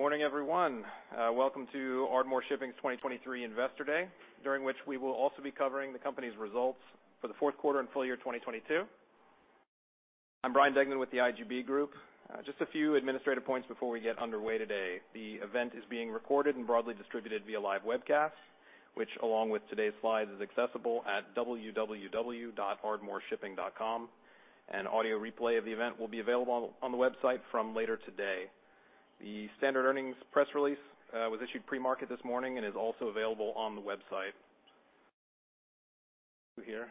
Morning, everyone. Welcome to Ardmore Shipping's 2023 Investor Day, during which we will also be covering the company's results for the fourth quarter and full year 2022. I'm Bryan Degnan with The IGB Group. Just a few administrative points before we get underway today. The event is being recorded and broadly distributed via live webcast, which along with today's slides is accessible at www.ardmoreshipping.com. An audio replay of the event will be available on the website from later today. The standard earnings press release was issued pre-market this morning and is also available on the website. Here.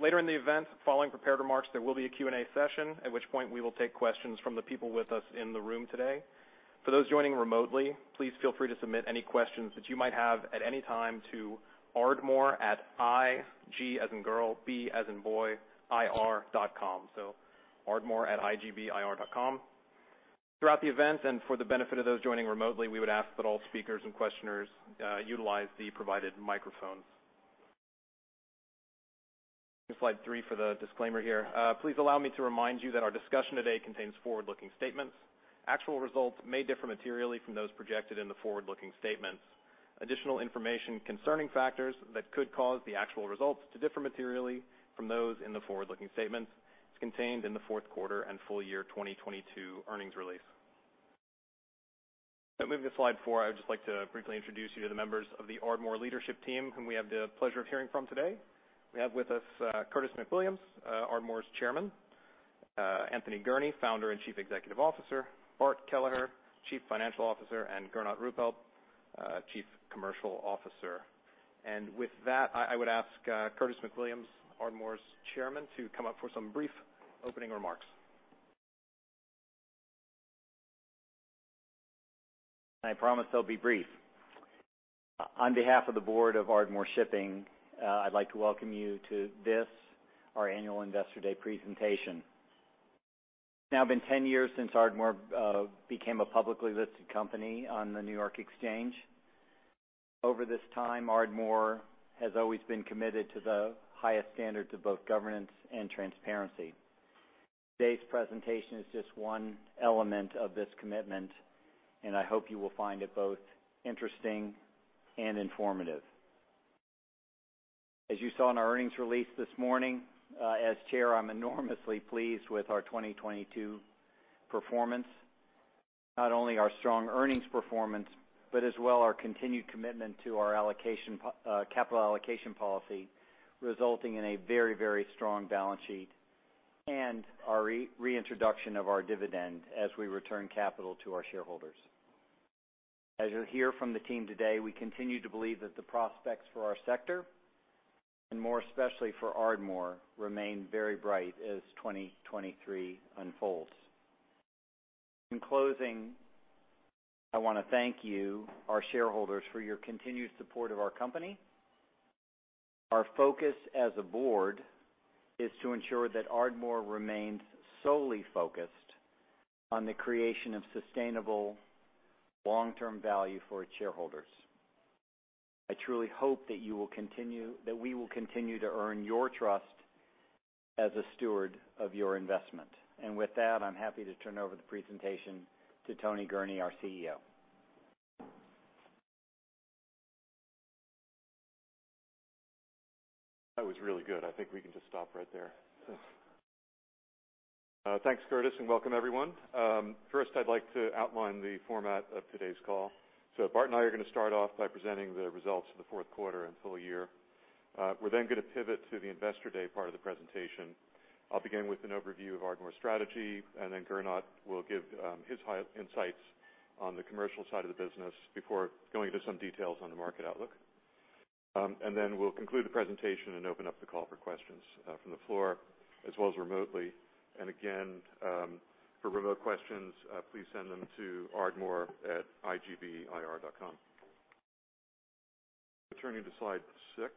Later in the event, following prepared remarks, there will be a Q&A session, at which point we will take questions from the people with us in the room today. For those joining remotely, please feel free to submit any questions that you might have at any time to Ardmore at IGBIR.com. Ardmore@IGBIR.com. Throughout the event and for the benefit of those joining remotely, we would ask that all speakers and questioners utilize the provided microphones. slide three for the disclaimer here. Please allow me to remind you that our discussion today contains forward-looking statements. Actual results may differ materially from those projected in the forward-looking statements. Additional information concerning factors that could cause the actual results to differ materially from those in the forward-looking statements is contained in the fourth quarter and full year 2022 earnings release. Now moving to slide four, I would just like to briefly introduce you to the members of the Ardmore leadership team whom we have the pleasure of hearing from today. We have with us, Curtis McWilliams, Ardmore's Chairman, Anthony Gurnee, Founder and Chief Executive Officer, Bart Kelleher, Chief Financial Officer, and Gernot Ruppelt, Chief Commercial Officer. With that, I would ask, Curtis McWilliams, Ardmore's Chairman, to come up for some brief opening remarks. I promise they'll be brief. On behalf of the board of Ardmore Shipping, I'd like to welcome you to this, our annual Investor Day presentation. It's now been 10 years since Ardmore became a publicly listed company on the New York Exchange. Over this time, Ardmore has always been committed to the highest standards of both governance and transparency. Today's presentation is just one element of this commitment, and I hope you will find it both interesting and informative. As you saw in our earnings release this morning, as Chair, I'm enormously pleased with our 2022 performance. Not only our strong earnings performance, but as well our continued commitment to our capital allocation policy, resulting in a very, very strong balance sheet and our reintroduction of our dividend as we return capital to our shareholders. As you'll hear from the team today, we continue to believe that the prospects for our sector, and more especially for Ardmore, remain very bright as 2023 unfolds. In closing, I wanna thank you, our shareholders, for your continued support of our company. Our focus as a board is to ensure that Ardmore remains solely focused on the creation of sustainable long-term value for its shareholders. I truly hope that we will continue to earn your trust as a steward of your investment. With that, I'm happy to turn over the presentation to Tony Gurnee, our CEO. That was really good. I think we can just stop right there. Thanks, Curtis, and welcome everyone. First, I'd like to outline the format of today's call. Bart and I are gonna start off by presenting the results of the fourth quarter and full year. We're then gonna pivot to the Investor Day part of the presentation. I'll begin with an overview of Ardmore strategy, and then Gernot will give his high insights on the commercial side of the business before going into some details on the market outlook. Then we'll conclude the presentation and open up the call for questions from the floor as well as remotely. Again, for remote questions, please send them to ardmore@igbir.com. Turning to slide six.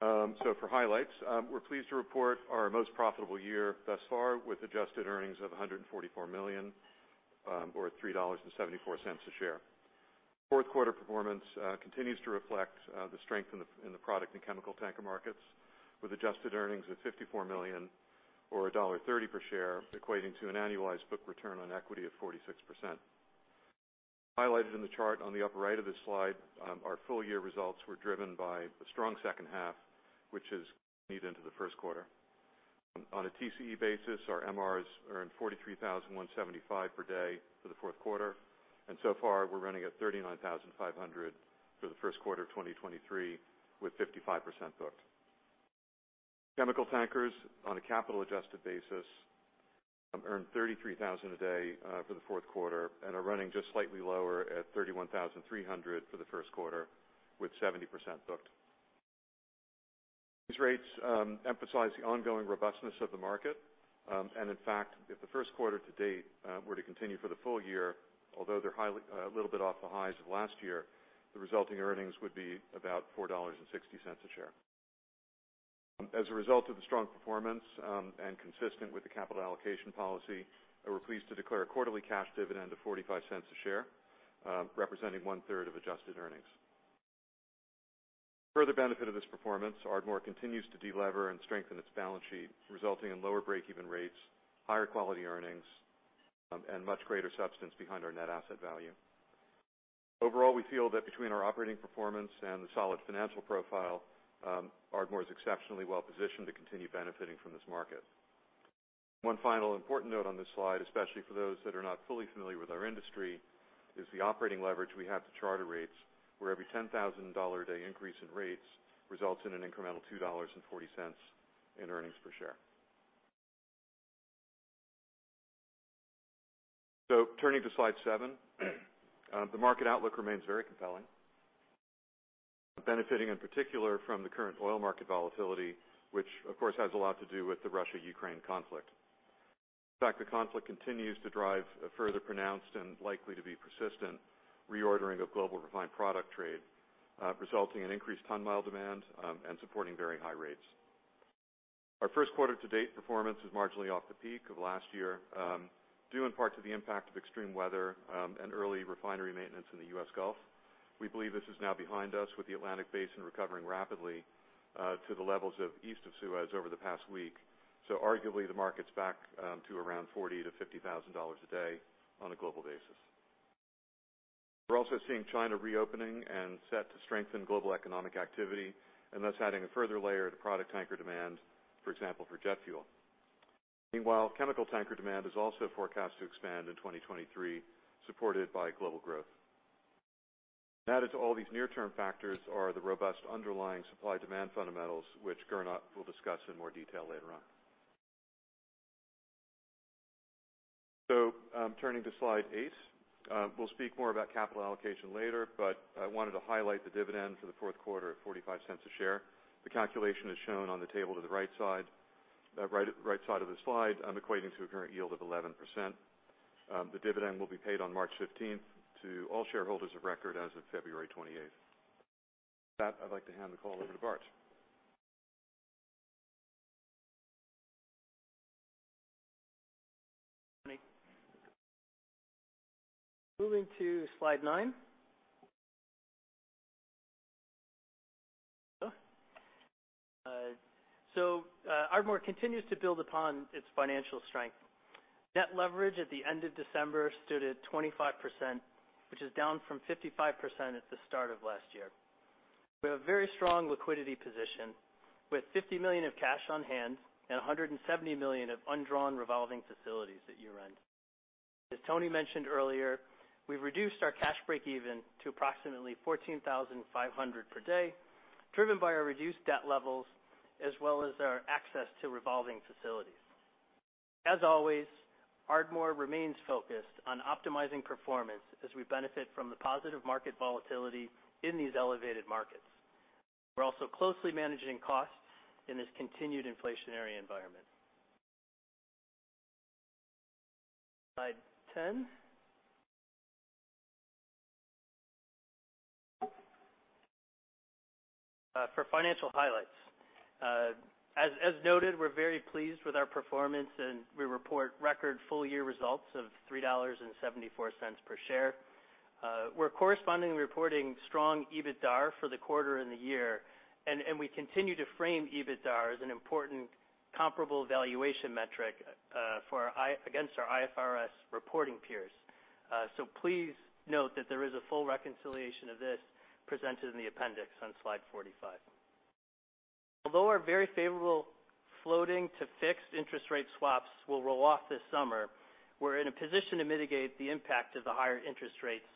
For highlights, we're pleased to report our most profitable year thus far with adjusted earnings of $144 million or $3.74 a share. Fourth quarter performance continues to reflect the strength in the product and chemical tanker markets with adjusted earnings of $54 million or $1.30 per share, equating to an annualized book return on equity of 46%. Highlighted in the chart on the upper right of this slide, our full year results were driven by a strong second half, which has bled into the first quarter. On a TCE basis, our MRs earned 43,175 per day for the fourth quarter, and so far, we're running at 39,500 for the first quarter of 2023 with 55% booked. Chemical tankers on a capital adjusted basis earned $33,000 a day for the fourth quarter and are running just slightly lower at $31,300 for the first quarter with 70% booked. These rates emphasize the ongoing robustness of the market. In fact, if the first quarter to date were to continue for the full year, although they're highly a little bit off the highs of last year, the resulting earnings would be about $4.60 a share. As a result of the strong performance, and consistent with the capital allocation policy, we're pleased to declare a quarterly cash dividend of $0.45 a share, representing one-third of adjusted earnings. Further benefit of this performance, Ardmore continues to de-lever and strengthen its balance sheet, resulting in lower break-even rates, higher quality earnings, and much greater substance behind our net asset value. Overall, we feel that between our operating performance and the solid financial profile, Ardmore is exceptionally well-positioned to continue benefiting from this market. One final important note on this slide, especially for those that are not fully familiar with our industry, is the operating leverage we have to charter rates, where every $10,000 a day increase in rates results in an incremental $2.40 in earnings per share. Turning to slide seven, the market outlook remains very compelling. Benefiting in particular from the current oil market volatility, which of course has a lot to do with the Russia-Ukraine conflict. In fact, the conflict continues to drive a further pronounced and likely to be persistent reordering of global refined product trade, resulting in increased ton-mile demand, and supporting very high rates. Our first quarter to date performance is marginally off the peak of last year, due in part to the impact of extreme weather, and early refinery maintenance in the US Gulf. We believe this is now behind us with the Atlantic Basin recovering rapidly to the levels of east of Suez over the past week. Arguably, the market's back to around $40,000-$50,000 a day on a global basis. We're also seeing China reopening and set to strengthen global economic activity, thus adding a further layer to product tanker demand, for example, for jet fuel. Meanwhile, chemical tanker demand is also forecast to expand in 2023, supported by global growth. Added to all these near-term factors are the robust underlying supply-demand fundamentals, which Gernot will discuss in more detail later on. Turning to slide eight, we'll speak more about capital allocation later, but I wanted to highlight the dividend for the fourth quarter of $0.45 a share. The calculation is shown on the table to the right side of the slide, equating to a current yield of 11%. The dividend will be paid on March 15th to all shareholders of record as of February 28th. With that, I'd like to hand the call over to Bart. Tony. Moving to slide 9. Ardmore continues to build upon its financial strength. Net leverage at the end of December stood at 25%, which is down from 55% at the start of last year. We have a very strong liquidity position with $50 million of cash on hand and $170 million of undrawn revolving facilities at year-end. As Tony mentioned earlier, we've reduced our cash break even to approximately $14,500 per day, driven by our reduced debt levels as well as our access to revolving facilities. As always, Ardmore remains focused on optimizing performance as we benefit from the positive market volatility in these elevated markets. We're also closely managing costs in this continued inflationary environment. slide 10. For financial highlights. As noted, we're very pleased with our performance. We report record full year results of $3.74 per share. We're correspondingly reporting strong EBITDAR for the quarter and the year, and we continue to frame EBITDAR as an important comparable valuation metric against our IFRS reporting peers. Please note that there is a full reconciliation of this presented in the appendix on slide 45. Although our very favorable floating to fixed interest rate swaps will roll off this summer, we're in a position to mitigate the impact of the higher interest rates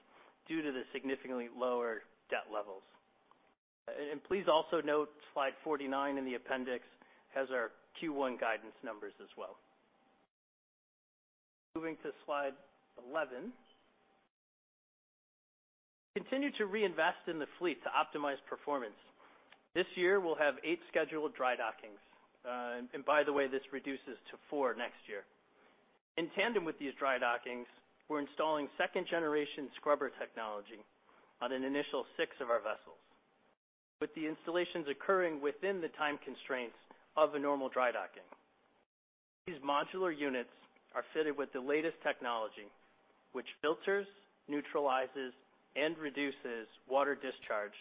due to the significantly lower debt levels. Please also note slide 49 in the appendix has our Q1 guidance numbers as well. Moving to slide 11. Continue to reinvest in the fleet to optimize performance. This year, we'll have eight scheduled dry dockings. By the way, this reduces to four next year. In tandem with these dry dockings, we're installing second-generation scrubber technology on an initial six of our vessels, with the installations occurring within the time constraints of a normal dry docking. These modular units are fitted with the latest technology, which filters, neutralizes, and reduces water discharge,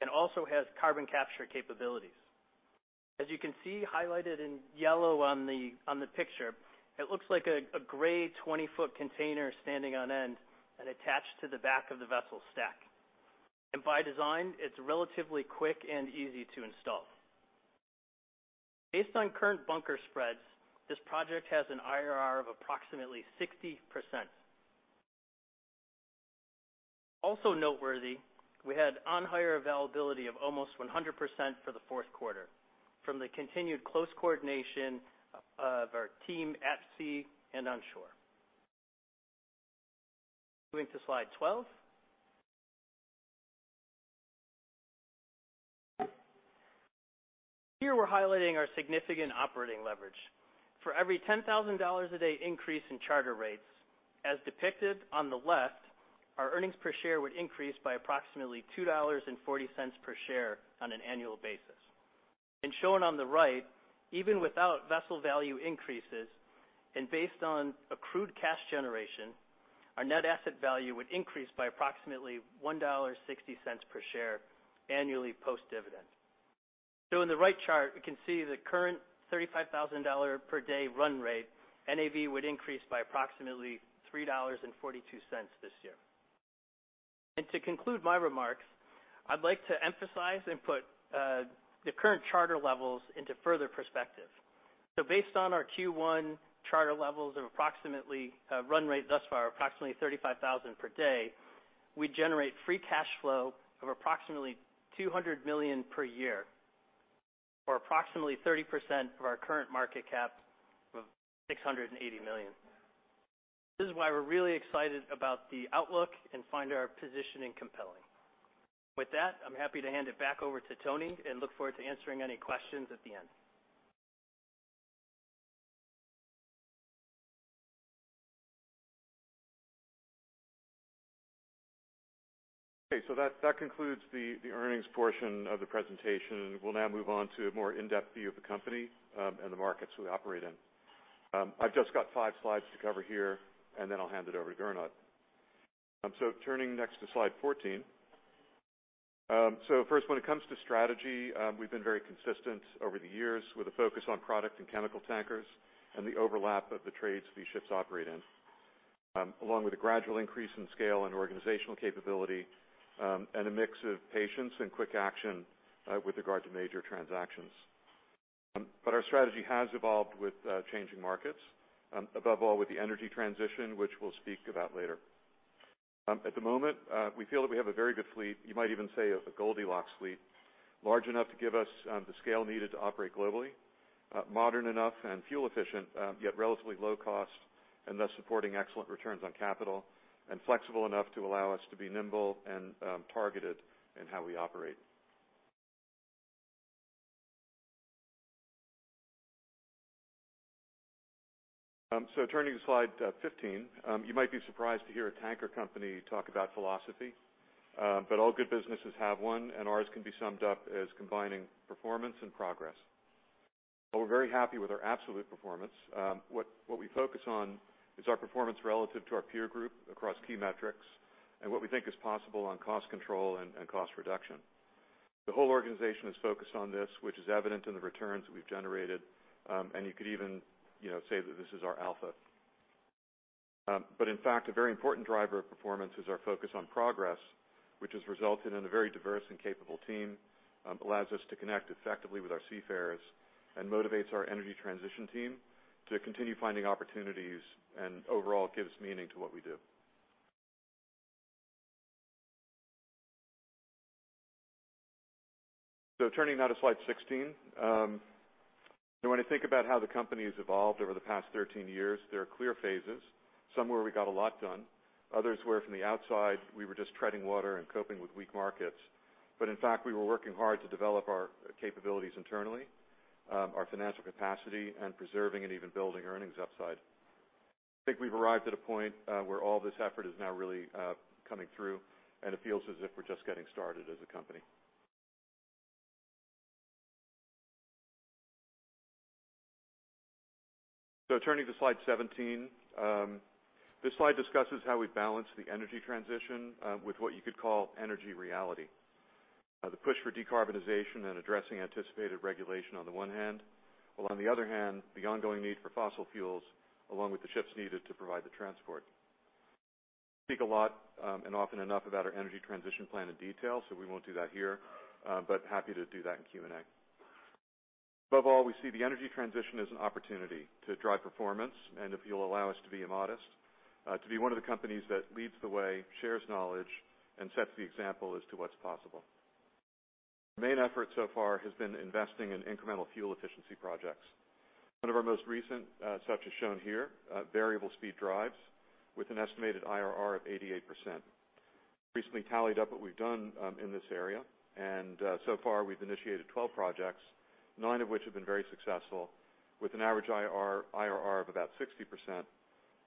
and also has carbon capture capabilities. As you can see highlighted in yellow on the picture, it looks like a gray 20-foot container standing on end and attached to the back of the vessel stack. By design, it's relatively quick and easy to install. Based on current bunker spreads, this project has an IRR of approximately 60%. Also noteworthy, we had on-hire availability of almost 100% for the fourth quarter from the continued close coordination of our team at sea and on shore. Moving to slide 12. Here, we're highlighting our significant operating leverage. For every $10,000 a day increase in charter rates, as depicted on the left, our earnings per share would increase by approximately $2.40 per share on an annual basis. Shown on the right, even without vessel value increases and based on accrued cash generation, our net asset value would increase by approximately $1.60 per share annually post-dividend. In the right chart, we can see the current $35,000 per day run rate NAV would increase by approximately $3.42 this year. To conclude my remarks, I'd like to emphasize and put the current charter levels into further perspective. Based on our Q1 charter levels of approximately run rate thus far, approximately 35,000 per day, we generate free cash flow of approximately $200 million per year, or approximately 30% of our current market cap of $680 million. This is why we're really excited about the outlook and find our positioning compelling. With that, I'm happy to hand it back over to Tony and look forward to answering any questions at the end. Okay, that concludes the earnings portion of the presentation. We'll now move on to a more in-depth view of the company, and the markets we operate in. I've just got five slides to cover here, and then I'll hand it over to Gernot. Turning next to slide 14. First, when it comes to strategy, we've been very consistent over the years with a focus on product and chemical tankers and the overlap of the trades these ships operate in, along with a gradual increase in scale and organizational capability, and a mix of patience and quick action, with regard to major transactions. Our strategy has evolved with changing markets, above all with the energy transition, which we'll speak about later. At the moment, we feel that we have a very good fleet, you might even say of a Goldilocks fleet, large enough to give us the scale needed to operate globally, modern enough and fuel efficient, yet relatively low cost, and thus supporting excellent returns on capital, and flexible enough to allow us to be nimble and targeted in how we operate. Turning to slide 15. You might be surprised to hear a tanker company talk about philosophy, but all good businesses have one, and ours can be summed up as combining performance and progress. While we're very happy with our absolute performance, what we focus on is our performance relative to our peer group across key metrics and what we think is possible on cost control and cost reduction. The whole organization is focused on this, which is evident in the returns we've generated, you could even, you know, say that this is our alpha. In fact, a very important driver of performance is our focus on progress, which has resulted in a very diverse and capable team, allows us to connect effectively with our seafarers and motivates our energy transition team to continue finding opportunities and overall gives meaning to what we do. Turning now to slide 16. When I think about how the company has evolved over the past 13 years, there are clear phases, some where we got a lot done, others where from the outside, we were just treading water and coping with weak markets. In fact, we were working hard to develop our capabilities internally, our financial capacity and preserving and even building earnings upside. I think we've arrived at a point where all this effort is now really coming through, and it feels as if we're just getting started as a company. Turning to slide 17. This slide discusses how we balance the energy transition with what you could call energy reality. The push for decarbonization and addressing anticipated regulation on the one hand, while on the other hand, the ongoing need for fossil fuels along with the ships needed to provide the transport. We speak a lot and often enough about our Energy Transition Plan in detail, we won't do that here, but happy to do that in Q&A. Above all, we see the energy transition as an opportunity to drive performance, and if you'll allow us to be immodest, to be one of the companies that leads the way, shares knowledge, and sets the example as to what's possible. Our main effort so far has been investing in incremental fuel efficiency projects. One of our most recent, such as shown here, variable speed drives with an estimated IRR of 88%. Recently tallied up what we've done in this area, and so far, we've initiated 12 projects, nine of which have been very successful with an average IRR of about 60%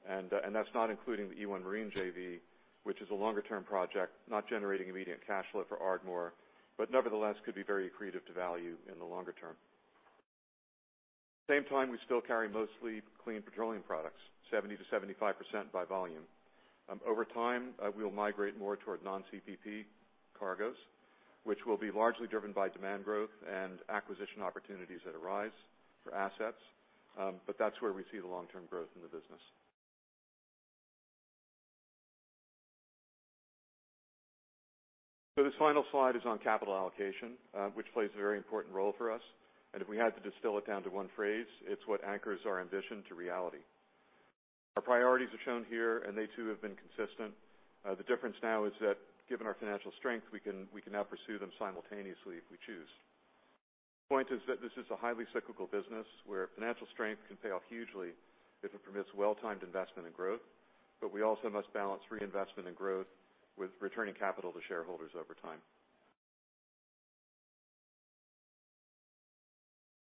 and that's not including the e1 Marine JV, which is a longer-term project, not generating immediate cash flow for Ardmore, but nevertheless could be very accretive to value in the longer term. Same time, we still carry mostly clean petroleum products, 70%-75% by volume. Over time, we'll migrate more toward non-CPP cargos, which will be largely driven by demand growth and acquisition opportunities that arise for assets. But that's where we see the long-term growth in the business. This final slide is on capital allocation, which plays a very important role for us. If we had to distill it down to one phrase, it's what anchors our ambition to reality. Our priorities are shown here, and they too have been consistent. The difference now is that given our financial strength, we can now pursue them simultaneously if we choose. The point is that this is a highly cyclical business where financial strength can pay off hugely if it permits well-timed investment and growth, but we also must balance reinvestment and growth with returning capital to shareholders over time.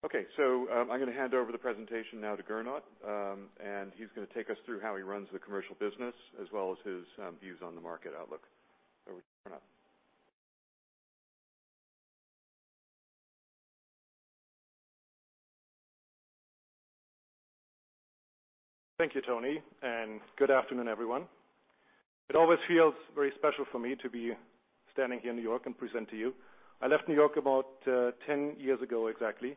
Okay. I'm gonna hand over the presentation now to Gernot, and he's gonna take us through how he runs the commercial business as well as his views on the market outlook. Over to you, Gernot. Thank you, Tony. Good afternoon, everyone. It always feels very special for me to be standing here in New York and present to you. I left New York about 10 years ago, exactly,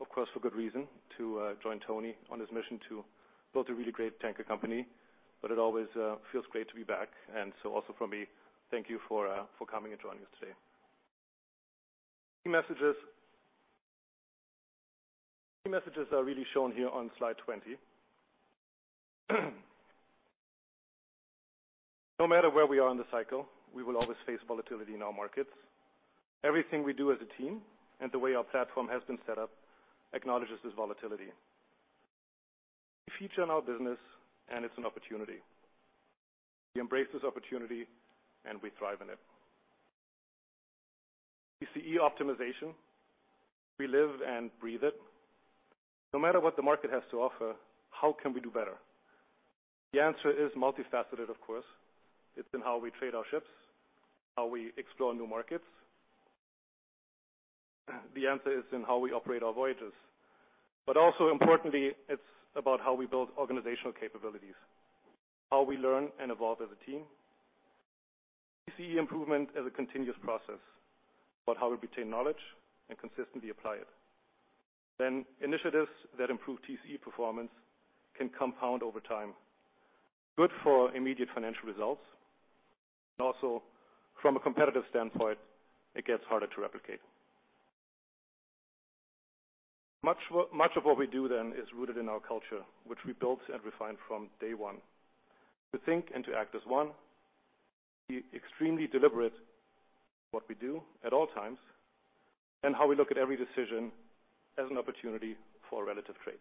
of course, for good reason, to join Tony on his mission to build a really great tanker company. It always feels great to be back. Also for me, thank you for coming and joining us today. Key messages are really shown here on slide 20. No matter where we are in the cycle, we will always face volatility in our markets. Everything we do as a team and the way our platform has been set up acknowledges this volatility. A key feature in our business. It's an opportunity. We embrace this opportunity, and we thrive in it. TCE optimization, we live and breathe it. No matter what the market has to offer, how can we do better? The answer is multifaceted, of course. It's in how we trade our ships, how we explore new markets. The answer is in how we operate our voyages. Also importantly, it's about how we build organizational capabilities, how we learn and evolve as a team. We see improvement as a continuous process about how we retain knowledge and consistently apply it. Initiatives that improve TCE performance can compound over time, good for immediate financial results, and also from a competitive standpoint, it gets harder to replicate. Much of what we do then is rooted in our culture, which we built and refined from day one. To think and to act as one, be extremely deliberate what we do at all times, and how we look at every decision as an opportunity for relative trade.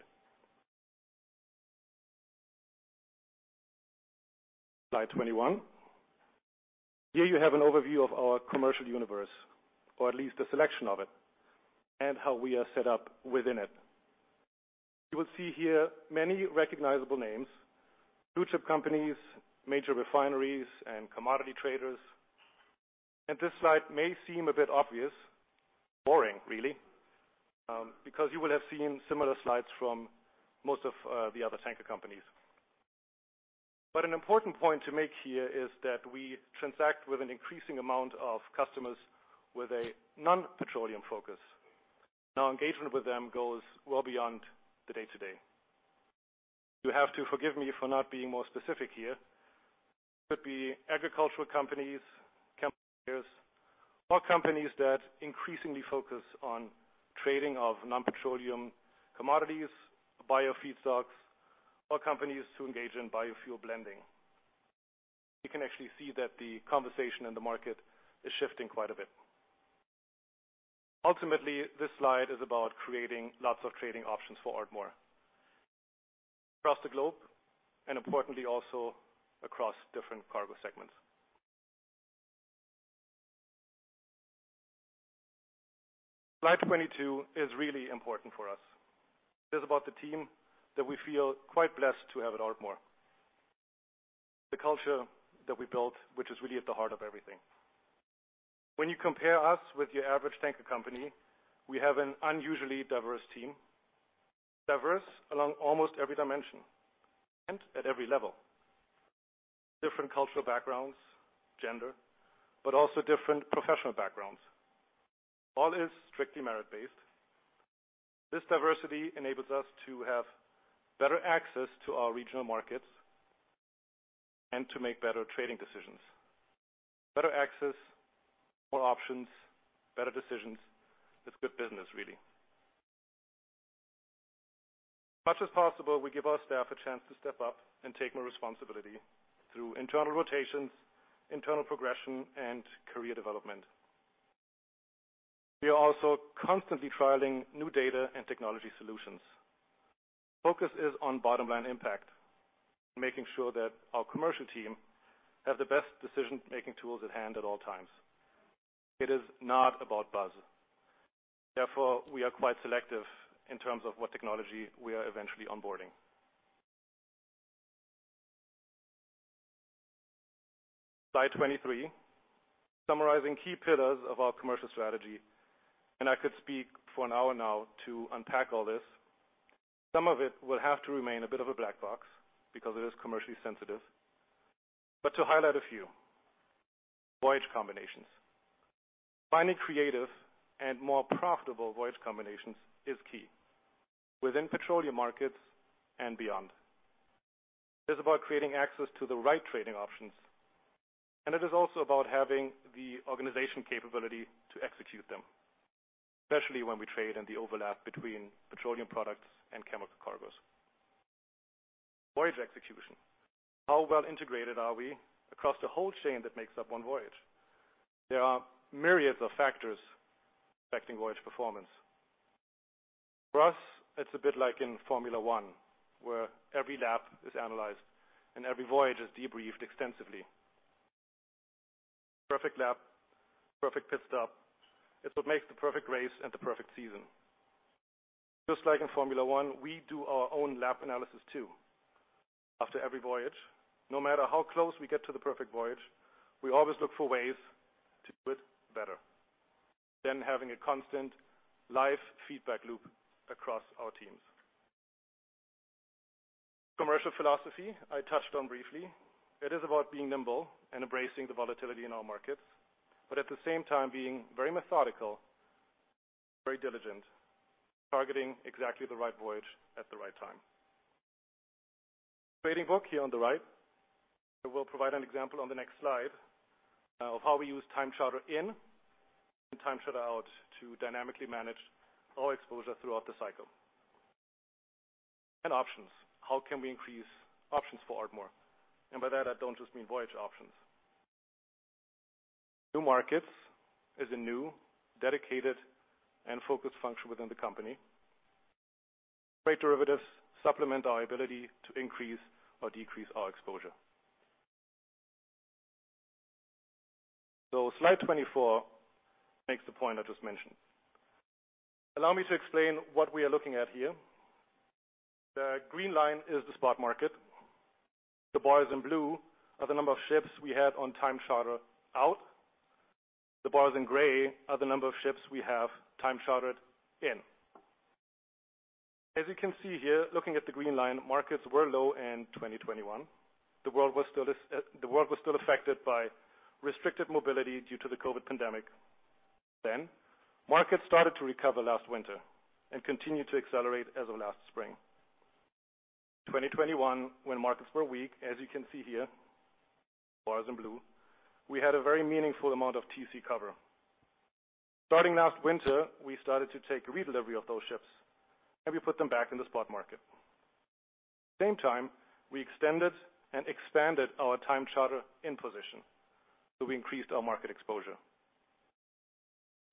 slide 21. Here you have an overview of our commercial universe, or at least a selection of it, and how we are set up within it. You will see here many recognizable names, blue chip companies, major refineries, and commodity traders. This slide may seem a bit obvious, boring really, because you will have seen similar slides from most of the other tanker companies. An important point to make here is that we transact with an increasing amount of customers with a non-petroleum focus. Now, engagement with them goes well beyond the day-to-day. You have to forgive me for not being more specific here. Could be agricultural companies, chemical traders, or companies that increasingly focus on trading of non-petroleum commodities, biofeedstocks, or companies to engage in biofuel blending. You can actually see that the conversation in the market is shifting quite a bit. Ultimately, this slide is about creating lots of trading options for Ardmore across the globe, and importantly also across different cargo segments. slide 22 is really important for us. It is about the team that we feel quite blessed to have at Ardmore. The culture that we built, which is really at the heart of everything. When you compare us with your average tanker company, we have an unusually diverse team, diverse along almost every dimension and at every level. Different cultural backgrounds, gender, but also different professional backgrounds. All is strictly merit-based. This diversity enables us to have better access to our regional markets and to make better trading decisions. Better access, more options, better decisions. It's good business, really. As much as possible, we give our staff a chance to step up and take more responsibility through internal rotations, internal progression, and career development. We are also constantly trialing new data and technology solutions. Focus is on bottom line impact, making sure that our commercial team have the best decision-making tools at hand at all times. It is not about buzz. We are quite selective in terms of what technology we are eventually onboarding. slide 23, summarizing key pillars of our commercial strategy. I could speak for an hour now to unpack all this. Some of it will have to remain a bit of a black box because it is commercially sensitive. To highlight a few, voyage combinations. Finding creative and more profitable voyage combinations is key within petroleum markets and beyond. It's about creating access to the right trading options. It is also about having the organization capability to execute them, especially when we trade in the overlap between petroleum products and chemical cargoes. Voyage execution. How well integrated are we across the whole chain that makes up one voyage? There are myriads of factors affecting voyage performance. For us, it's a bit like in Formula One, where every lap is analyzed and every voyage is debriefed extensively. Perfect lap, perfect pit stop. It's what makes the perfect race and the perfect season. Just like in Formula One, we do our own lap analysis too. After every voyage, no matter how close we get to the perfect voyage, we always look for ways to do it better than having a constant live feedback loop across our teams. Commercial philosophy I touched on briefly. It is about being nimble and embracing the volatility in our markets, but at the same time, being very methodical, very diligent, targeting exactly the right voyage at the right time. Trading book here on the right, I will provide an example on the next slide of how we use time charter in and time charter out to dynamically manage our exposure throughout the cycle. Options. How can we increase options for Ardmore? By that, I don't just mean voyage options. New markets is a new, dedicated, and focused function within the company. Rate derivatives supplement our ability to increase or decrease our exposure. slide 24 makes the point I just mentioned. Allow me to explain what we are looking at here. The green line is the spot market. The bars in blue are the number of ships we have on time charter out. The bars in gray are the number of ships we have time chartered in. As you can see here, looking at the green line, markets were low in 2021. The world was still affected by restricted mobility due to the COVID pandemic. Markets started to recover last winter and continued to accelerate as of last spring. 2021, when markets were weak, as you can see here, bars in blue, we had a very meaningful amount of TC cover. Starting last winter, we started to take redelivery of those ships, and we put them back in the spot market. Same time, we extended and expanded our time charter in position, so we increased our market exposure.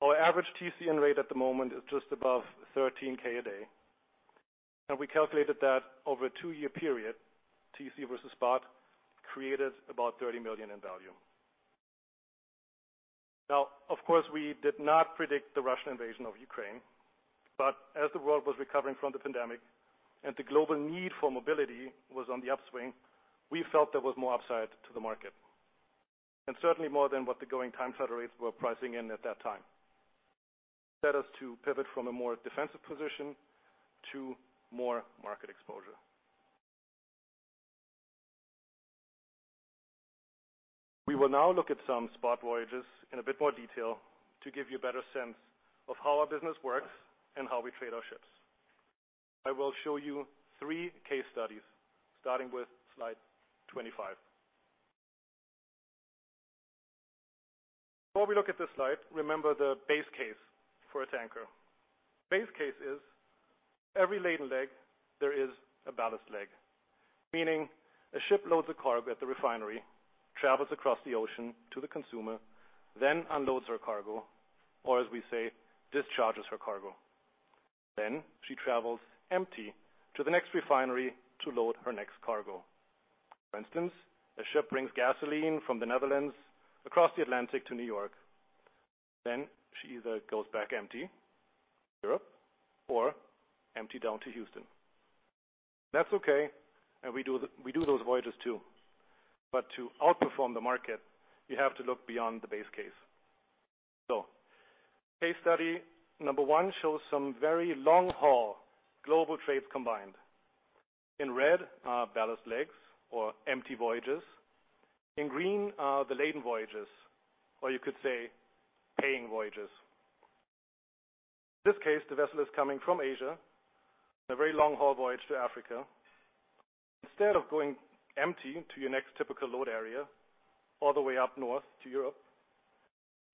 Our average TCE rate at the moment is just above 13K a day. We calculated that over a two-year period, TC versus spot created about $30 million in value. Of course, we did not predict the Russian invasion of Ukraine. As the world was recovering from the pandemic and the global need for mobility was on the upswing, we felt there was more upside to the market, and certainly more than what the going time charter rates were pricing in at that time. Led us to pivot from a more defensive position to more market exposure. We will now look at some spot voyages in a bit more detail to give you a better sense of how our business works and how we trade our ships. I will show you three case studies, starting with slide 25. Before we look at this slide, remember the base case for a tanker. Base case is every laden leg, there is a ballast leg. Meaning a ship loads a cargo at the refinery, travels across the ocean to the consumer, then unloads her cargo, or as we say, discharges her cargo. She travels empty to the next refinery to load her next cargo. For instance, a ship brings gasoline from the Netherlands across the Atlantic to New York. She either goes back empty to Europe or empty down to Houston. That's okay, we do those voyages too. To outperform the market, you have to look beyond the base case. Case study number one shows some very long-haul global trades combined. In red are ballast legs or empty voyages. In green are the laden voyages, or you could say paying voyages. This case, the vessel is coming from Asia, a very long-haul voyage to Africa. Instead of going empty to your next typical load area all the way up north to Europe,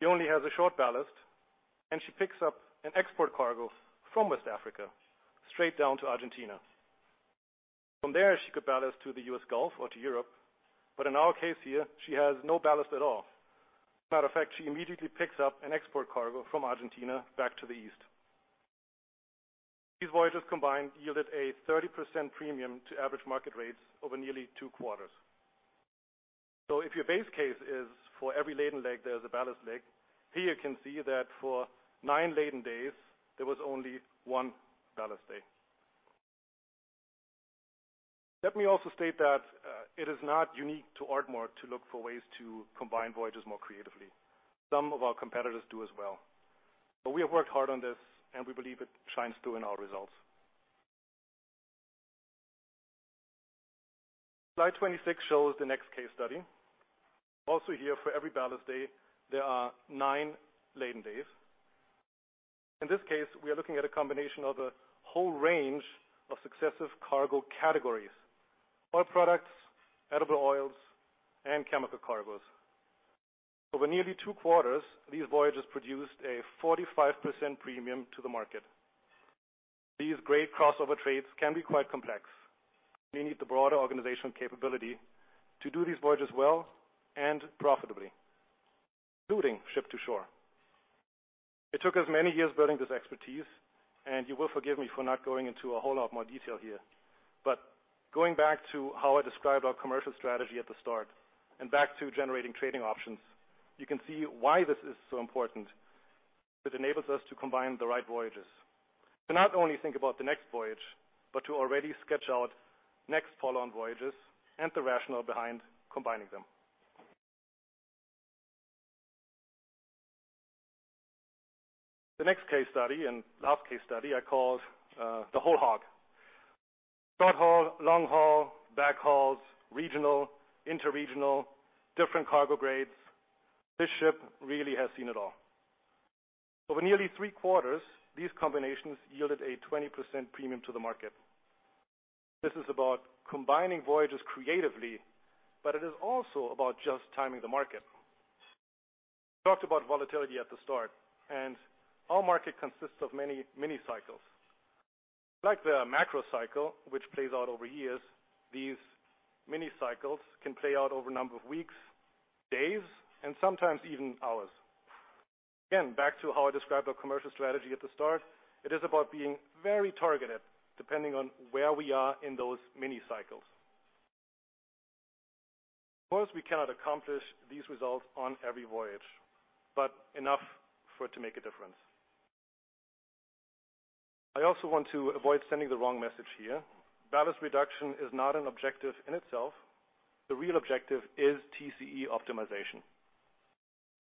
she only has a short ballast, and she picks up an export cargo from West Africa straight down to Argentina. From there, she could ballast to the US Gulf or to Europe, but in our case here, she has no ballast at all. Matter of fact, she immediately picks up an export cargo from Argentina back to the east. These voyages combined yielded a 30% premium to average market rates over nearly two quarters. If your base case is for every laden leg, there's a ballast leg, here you can see that for nine laden days, there was only one ballast day. Let me also state that it is not unique to Ardmore to look for ways to combine voyages more creatively. Some of our competitors do as well. We have worked hard on this, and we believe it shines through in our results. slide 26 shows the next case study. Also here for every ballast day, there are nine laden days. In this case, we are looking at a combination of a whole range of successive cargo categories: oil products, edible oils, and chemical cargoes. Over nearly two quarters, these voyages produced a 45% premium to the market. These great crossover trades can be quite complex. We need the broader organizational capability to do these voyages well and profitably, including ship to shore. It took us many years building this expertise, and you will forgive me for not going into a whole lot more detail here. Going back to how I described our commercial strategy at the start, and back to generating trading options, you can see why this is so important. It enables us to combine the right voyages. To not only think about the next voyage, but to already sketch out next follow on voyages and the rationale behind combining them. The next case study and last case study I call the whole hog. Short haul, long haul, backhauls, regional, inter-regional, different cargo grades. This ship really has seen it all. Over nearly three-quarters, these combinations yielded a 20% premium to the market. This is about combining voyages creatively, but it is also about just timing the market. Talked about volatility at the start. Our market consists of many mini cycles. Like the macro cycle, which plays out over years, these mini cycles can play out over a number of weeks, days, and sometimes even hours. Back to how I described our commercial strategy at the start, it is about being very targeted depending on where we are in those mini cycles. We cannot accomplish these results on every voyage, but enough for it to make a difference. I also want to avoid sending the wrong message here. Ballast reduction is not an objective in itself. The real objective is TCE optimization.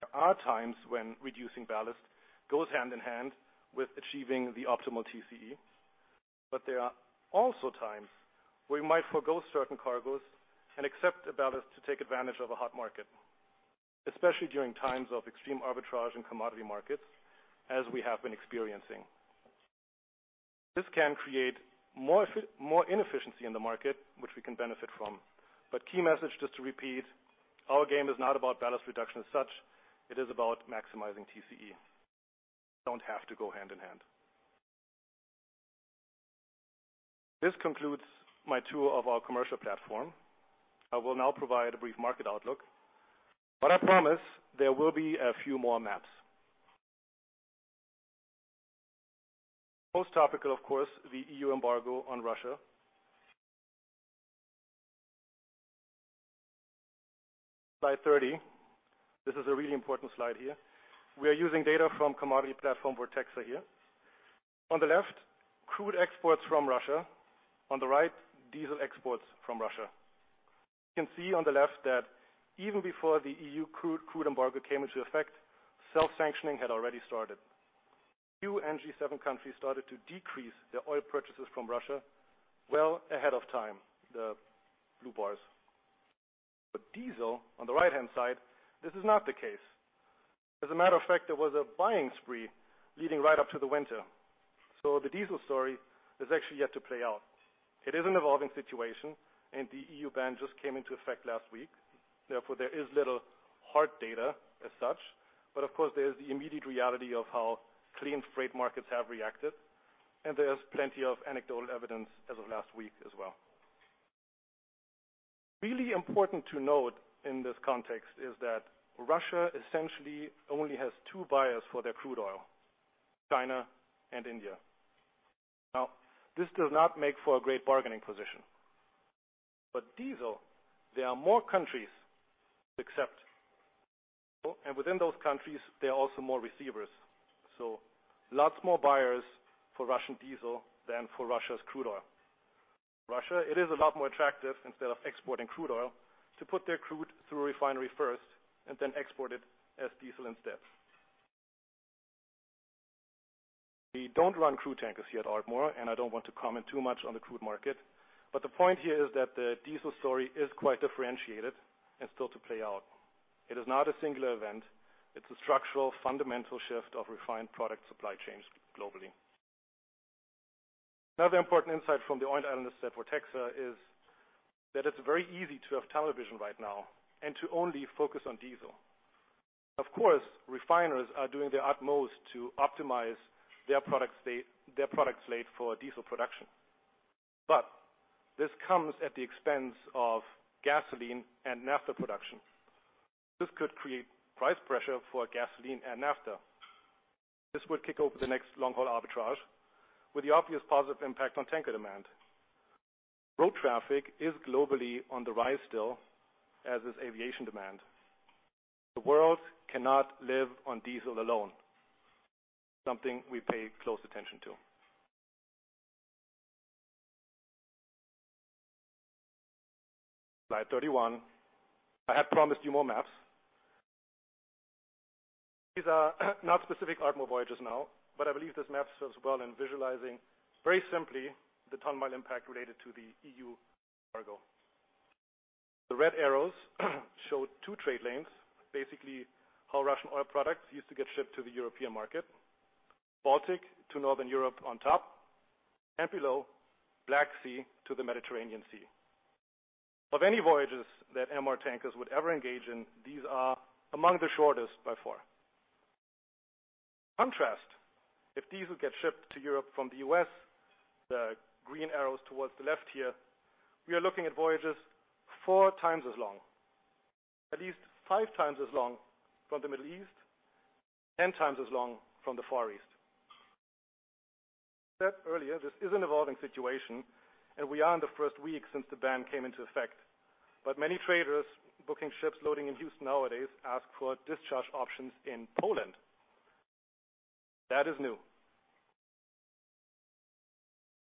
There are times when reducing ballast goes hand in hand with achieving the optimal TCE, but there are also times we might forego certain cargoes and accept a ballast to take advantage of a hot market, especially during times of extreme arbitrage in commodity markets, as we have been experiencing. This can create more inefficiency in the market, which we can benefit from. Key message, just to repeat, our game is not about ballast reduction as such. It is about maximizing TCE. They don't have to go hand in hand. This concludes my tour of our commercial platform. I will now provide a brief market outlook. I promise there will be a few more maps. Most topical, of course, the EU embargo on Russia. slide 30. This is a really important slide here. We are using data from commodity platform, Vortexa here. On the left, crude exports from Russia. On the right, diesel exports from Russia. You can see on the left that even before the EU crude embargo came into effect, self-sanctioning had already started. EU and G7 countries started to decrease their oil purchases from Russia well ahead of time, the blue bars. Diesel on the right-hand side, this is not the case. As a matter of fact, there was a buying spree leading right up to the winter. The diesel story is actually yet to play out. It is an evolving situation, the EU ban just came into effect last week. Therefore, there is little hard data as such. Of course, there's the immediate reality of how clean freight markets have reacted, there's plenty of anecdotal evidence as of last week as well. Really important to note in this context is that Russia essentially only has two buyers for their crude oil, China and India. Now, this does not make for a great bargaining position. Diesel, there are more countries to accept. Within those countries, there are also more receivers. Lots more buyers for Russian diesel than for Russia's crude oil. Russia, it is a lot more attractive instead of exporting crude oil to put their crude through a refinery first and then export it as diesel instead. We don't run crude tankers here at Ardmore. I don't want to comment too much on the crude market, the point here is that the diesel story is quite differentiated and still to play out. It is not a singular event. It's a structural fundamental shift of refined product supply chains globally. Another important insight from the oil analysts at Vortexa is that it's very easy to have television right now and to only focus on diesel. Of course, refiners are doing their utmost to optimize their product slate for diesel production. This comes at the expense of gasoline and naphtha production. This could create price pressure for gasoline and naphtha. This would kick over the next long haul arbitrage with the obvious positive impact on tanker demand. Road traffic is globally on the rise still, as is aviation demand. The world cannot live on diesel alone. Something we pay close attention to. slide 31. I have promised you more maps. These are not specific Ardmore voyages now, but I believe this map serves well in visualizing very simply the ton-mile impact related to the EU embargo. The red arrows show two trade lanes, basically how Russian oil products used to get shipped to the European market. Baltic to Northern Europe on top, and below, Black Sea to the Mediterranean Sea. Of any voyages that MR tankers would ever engage in, these are among the shortest by far. Contrast, if diesel gets shipped to Europe from the US, the green arrows towards the left here, we are looking at voyages four times as long. At least five times as long from the Middle East, 10 times as long from the Far East. Said earlier, this is an evolving situation, and we are in the first week since the ban came into effect. Many traders booking ships loading in Houston nowadays ask for discharge options in Poland. That is new.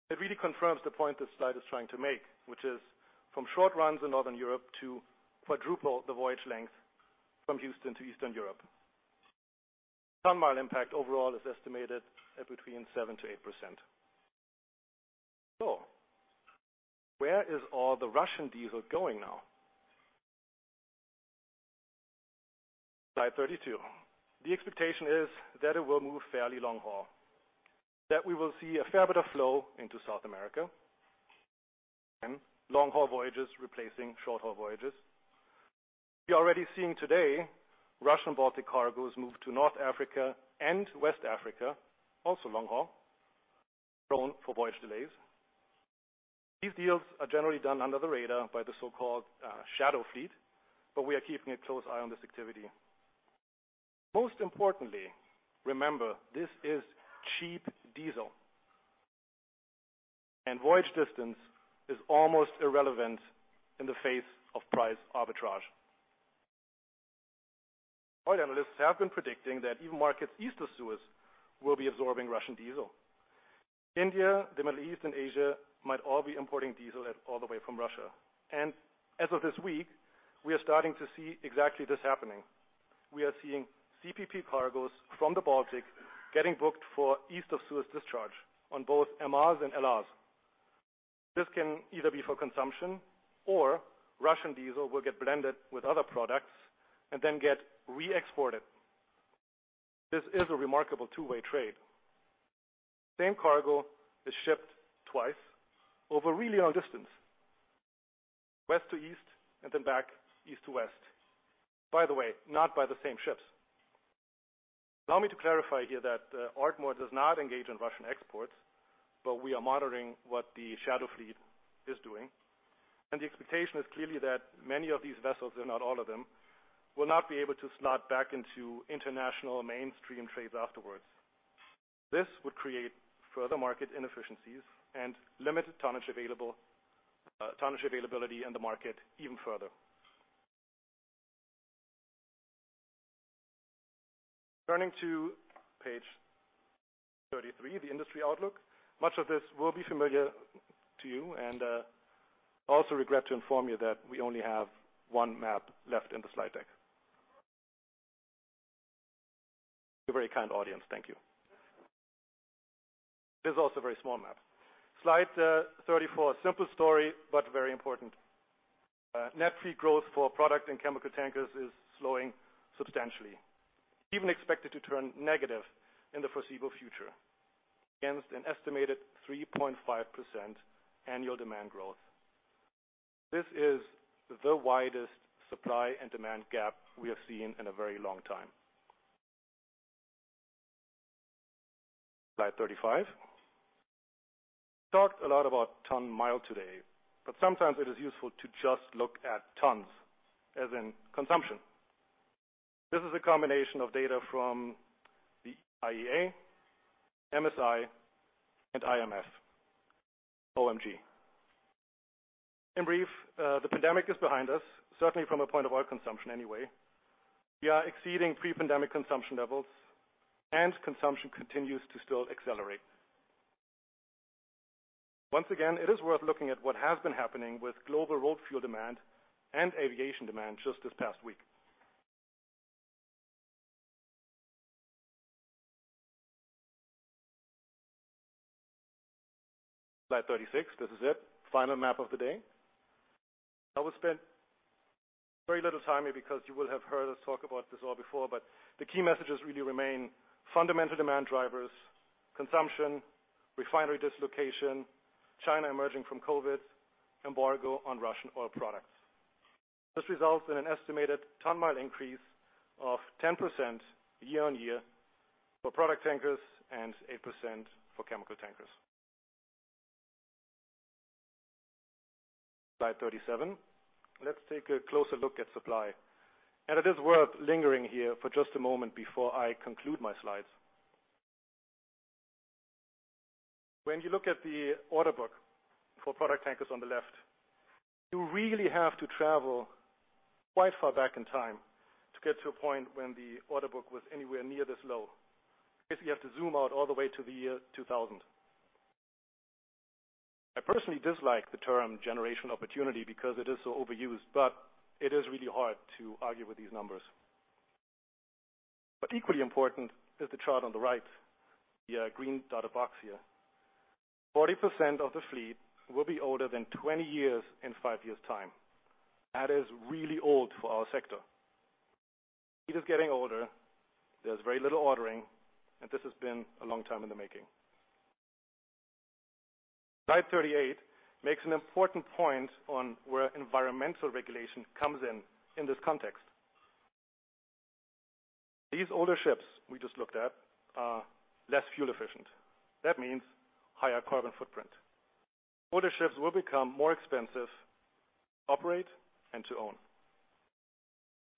It really confirms the point this slide is trying to make, which is from short runs in Northern Europe to quadruple the voyage length from Houston to Eastern Europe. Ton-mile impact overall is estimated at between 7%-8%. Where is all the Russian diesel going now? slide 32. The expectation is that it will move fairly long haul, that we will see a fair bit of flow into South America. Again, long-haul voyages replacing short haul voyages. We are already seeing today Russian Baltic cargoes move to North Africa and West Africa, also long haul, prone for voyage delays. These deals are generally done under the radar by the so-called, shadow fleet. We are keeping a close eye on this activity. Most importantly, remember, this is cheap diesel. Voyage distance is almost irrelevant in the face of price arbitrage. Our analysts have been predicting that even markets east of Suez will be absorbing Russian diesel. India, the Middle East, and Asia might all be importing diesel at all the way from Russia. As of this week, we are starting to see exactly this happening. We are seeing CPP cargoes from the Baltic getting booked for east of Suez discharge on both MRs and LRs. This can either be for consumption or Russian diesel will get blended with other products and then get re-exported. This is a remarkable two-way trade. Same cargo is shipped twice over a really long distance, west to east, and then back east to west. By the way, not by the same ships. Allow me to clarify here that Arkema does not engage in Russian exports, but we are monitoring what the shadow fleet is doing. The expectation is clearly that many of these vessels, though not all of them, will not be able to slot back into international mainstream trades afterwards. This would create further market inefficiencies and limited tonnage availability in the market even further. Turning to page 33, the industry outlook. Much of this will be familiar to you, and also regret to inform you that we only have 1 map left in the slide deck. You're a very kind audience. Thank you. It is also a very small map. slide 34. Simple story, but very important. Net fleet growth for product and chemical tankers is slowing substantially, even expected to turn negative in the foreseeable future against an estimated 3.5% annual demand growth. This is the widest supply and demand gap we have seen in a very long time. slide 35. Talked a lot about ton-mile today, but sometimes it is useful to just look at tons as in consumption. This is a combination of data from the IEA, MSI, and IMS. OMC. In brief, the pandemic is behind us, certainly from a point of oil consumption anyway. We are exceeding pre-pandemic consumption levels, and consumption continues to still accelerate. Once again, it is worth looking at what has been happening with global road fuel demand and aviation demand just this past week. slide 36. This is it. Final map of the day. I will spend very little time here because you will have heard us talk about this all before. The key messages really remain fundamental demand drivers, consumption, refinery dislocation, China emerging from COVID, embargo on Russian oil products. This results in an estimated ton-mile increase of 10% year-over-year for product tankers and 8% for chemical tankers. slide 37. Let's take a closer look at supply. It is worth lingering here for just a moment before I conclude my slides. When you look at the order book for product tankers on the left, you really have to travel quite far back in time to get to a point when the order book was anywhere near this low. I guess you have to zoom out all the way to the year 2000. I personally dislike the term generational opportunity because it is so overused. It is really hard to argue with these numbers. Equally important is the chart on the right, the green data box here. 40% of the fleet will be older than 20 years in five years' time. That is really old for our sector. It is getting older, there's very little ordering, and this has been a long time in the making. slide 38 makes an important point on where environmental regulation comes in in this context. These older ships we just looked at are less fuel efficient. That means higher carbon footprint. Older ships will become more expensive to operate and to own.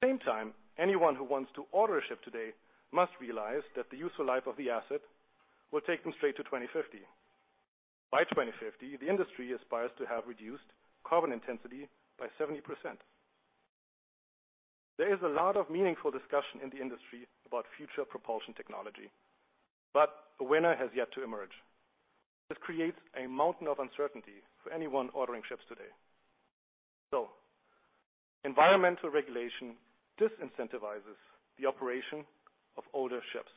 Same time, anyone who wants to order a ship today must realize that the useful life of the asset will take them straight to 2050. By 2050, the industry aspires to have reduced carbon intensity by 70%. There is a lot of meaningful discussion in the industry about future propulsion technology, but a winner has yet to emerge. This creates a mountain of uncertainty for anyone ordering ships today. Environmental regulation disincentivizes the operation of older ships,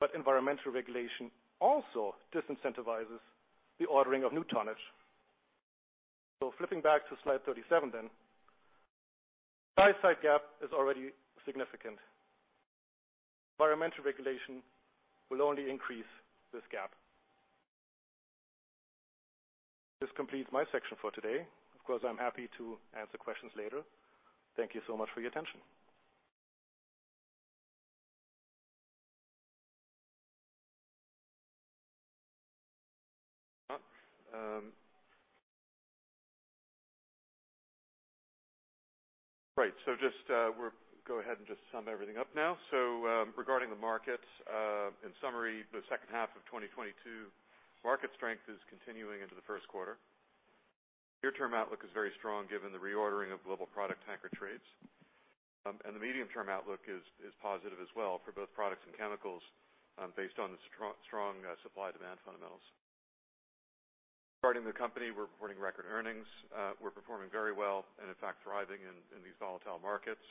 but environmental regulation also disincentivizes the ordering of new tonnage. Flipping back to slide 37 then, buy-side gap is already significant. Environmental regulation will only increase this gap. This completes my section for today. Of course, I'm happy to answer questions later. Thank you so much for your attention. Right. Just we're go ahead and just sum everything up now. Regarding the market, in summary, the second half of 2022 market strength is continuing into the first quarter. Near-term outlook is very strong given the reordering of global product tanker trades. The medium-term outlook is positive as well for both products and chemicals, based on the strong supply demand fundamentals. Starting with the company, we're reporting record earnings. We're performing very well and in fact thriving in these volatile markets.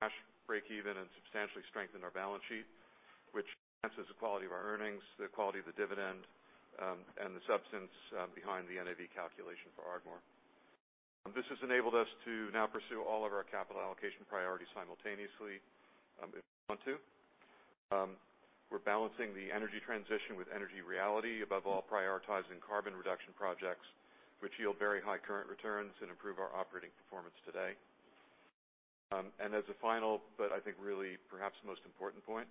Cash break even substantially strengthen our balance sheet, which enhances the quality of our earnings, the quality of the dividend, and the substance behind the NAV calculation for Ardmore. This has enabled us to now pursue all of our capital allocation priorities simultaneously, if we want to. We're balancing the energy transition with energy reality, above all prioritizing carbon reduction projects which yield very high current returns and improve our operating performance today. As a final, but I think really perhaps the most important point,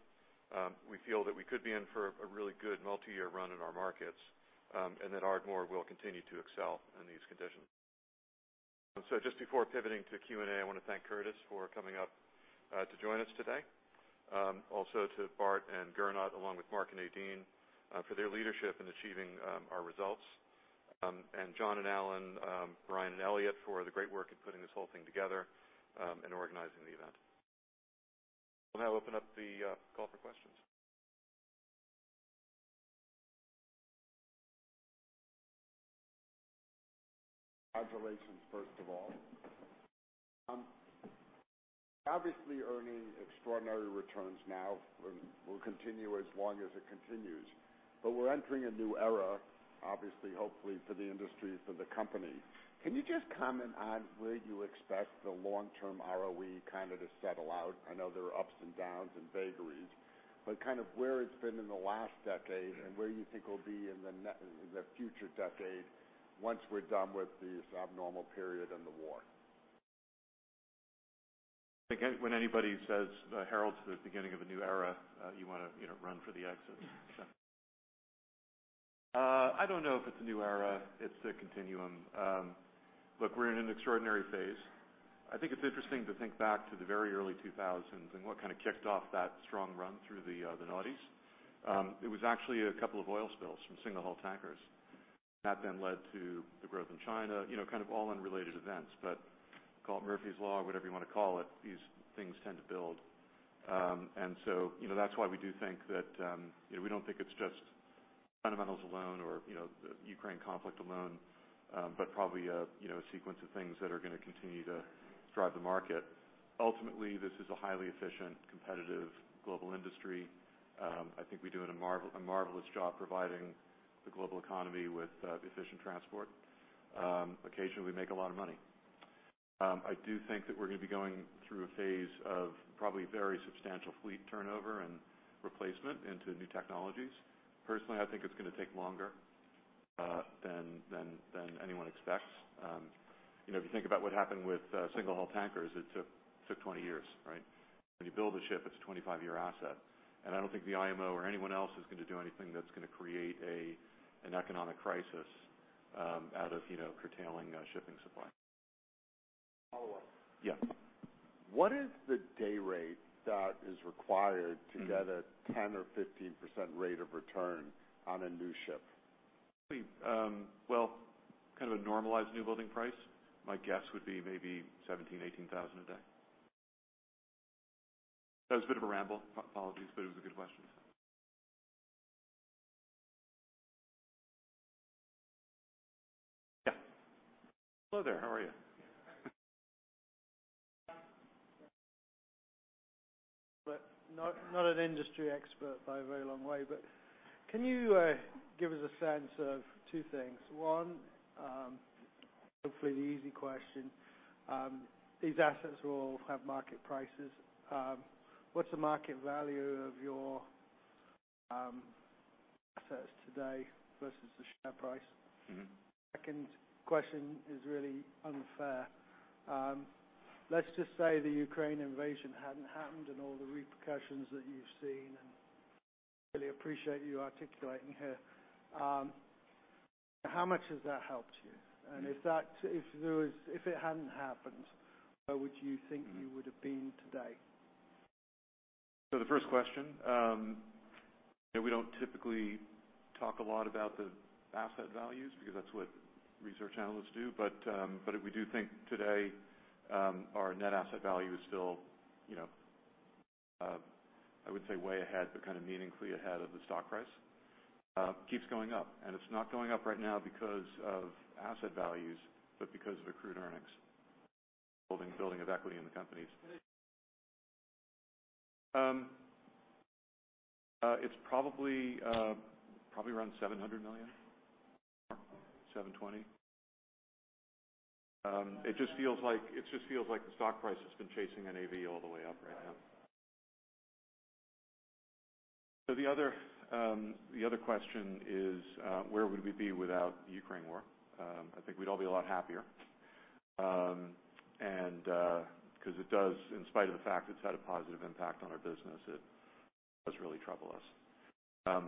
we feel that we could be in for a really good multi-year run in our markets, and that Ardmore will continue to excel in these conditions. Just before pivoting to Q&A, I wanna thank Curtis for coming up to join us today. Also to Bart and Gernot, along with Mark and Nadine, for their leadership in achieving our results. John and Alan, Brian and Elliot for the great work in putting this whole thing together, and organizing the event. We'll now open up the call for questions. Congratulations, first of all. Obviously earning extraordinary returns now will continue as long as it continues. We're entering a new era, obviously, hopefully for the industry, for the company. Can you just comment on where you expect the long-term ROE kind of to settle out? I know there are ups and downs and vagaries, kind of where it's been in the last decade and where you think it'll be in the future decade once we're done with this abnormal period and the war. Again, when anybody says, heralds the beginning of a new era, you wanna, you know, run for the exits. I don't know if it's a new era, it's a continuum. Look, we're in an extraordinary phase. I think it's interesting to think back to the very early 2000s and what kinda kicked off that strong run through the noughties. It was actually a couple of oil spills from single hull tankers. That then led to the growth in China, you know, kind of all unrelated events. Call it Murphy's Law, whatever you wanna call it, these things tend to build. You know, that's why we do think that, you know, we don't think it's just fundamentals alone or, you know, the Ukraine conflict alone, but probably a, you know, a sequence of things that are gonna continue to drive the market. Ultimately, this is a highly efficient, competitive global industry. I think we do a marvelous job providing the global economy with efficient transport. Occasionally we make a lot of money. I do think that we're gonna be going through a phase of probably very substantial fleet turnover and replacement into new technologies. Personally, I think it's gonna take longer than anyone expects. You know, if you think about what happened with single hull tankers, it took 20 years, right? When you build a ship, it's a 25 year asset. I don't think the IMO or anyone else is gonna do anything that's gonna create an economic crisis, out of, you know, curtailing, shipping supply. Follow up. Yeah. What is the day rate that is required to get a 10% or 15% rate of return on a new ship? Well, kind of a normalized new building price, my guess would be maybe $17,000-$18,000 a day. That was a bit of a ramble. Apologies, it was a good question. Yeah. Hello there. How are you? Not an industry expert by a very long way. Can you give us a sense of two things? One, hopefully the easy question. These assets will have market prices. What's the market value of your- Assets today versus the share price. Mm-hmm. Second question is really unfair. Let's just say the Ukraine invasion hadn't happened and all the repercussions that you've seen, and really appreciate you articulating here. How much has that helped you? If it hadn't happened, where would you think you would have been today? The first question, you know, we don't typically talk a lot about the asset values because that's what research analysts do. We do think today, our net asset value is still, you know, I would say way ahead, but kinda meaningfully ahead of the stock price. Keeps going up, it's not going up right now because of asset values, but because of accrued earnings, building of equity in the companies. It's probably around $700 million or $720. It just feels like the stock price has been chasing NAV all the way up right now. The other question is, where would we be without the Ukraine War? I think we'd all be a lot happier. 'cause it does, in spite of the fact it's had a positive impact on our business, it does really trouble us.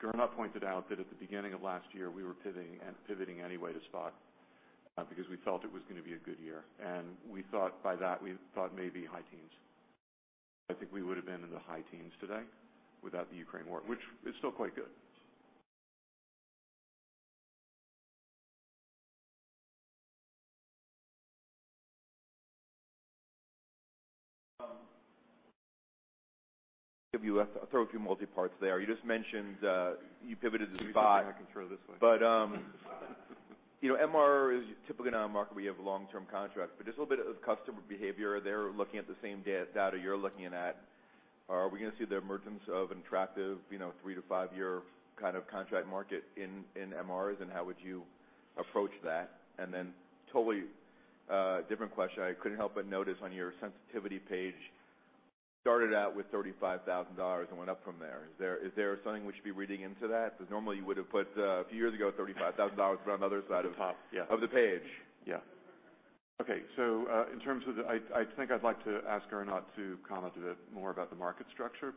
Gernot pointed out that at the beginning of last year, we were pivoting anyway to spot, because we felt it was gonna be a good year, and we thought by that, we thought maybe high teens. I think we would've been in the high teens today without the Ukraine war, which is still quite good. give you I'll throw a few multi-parts there. You just mentioned you pivoted to spot. That's okay. I can throw this way. You know, MR is typically not a market where you have long-term contracts, but just a little bit of customer behavior. They're looking at the same data you're looking at. Are we going to see the emergence of an attractive, you know, three-five-year kind of contract market in MRs? How would you approach that? Totally, different question. I couldn't help but notice on your sensitivity page, started out with $35,000 and went up from there. Is there something we should be reading into that? 'Cause normally you would've put, a few years ago, $35,000 but on the other side of. The top. Yeah. of the page. Yeah. Okay. In terms of the... I think I'd like to ask Gernot to comment a bit more about the market structure,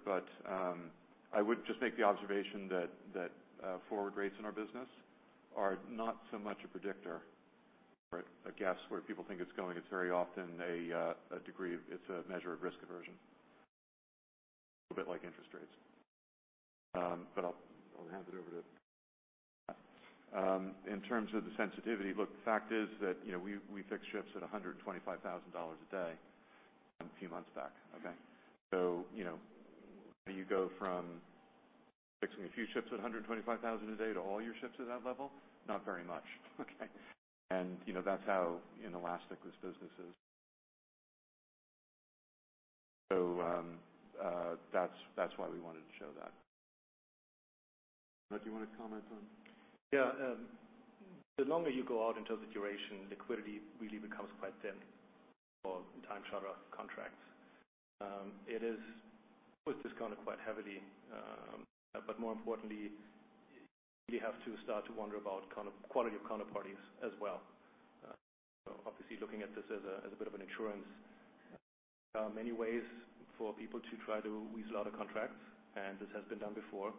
I would just make the observation that, forward rates in our business are not so much a predictor or a guess where people think it's going. It's very often a degree of... It's a measure of risk aversion. A bit like interest rates. I'll hand it over to Gernot. In terms of the sensitivity, look, the fact is that, you know, we fixed ships at $125,000 a day a few months back, okay? You know, you go from fixing a few ships at $125,000 a day to all your ships at that level, not very much, okay? You know, that's how inelastic this business is. That's why we wanted to show that. Gernot, do you wanna comment on? Yeah. The longer you go out in terms of duration, liquidity really becomes quite thin for time charter contracts. It is discounted quite heavily, but more importantly, you have to start to wonder about quality of counterparties as well. Obviously looking at this as a, as a bit of an insurance. There are many ways for people to try to weasel out of contracts, and this has been done before.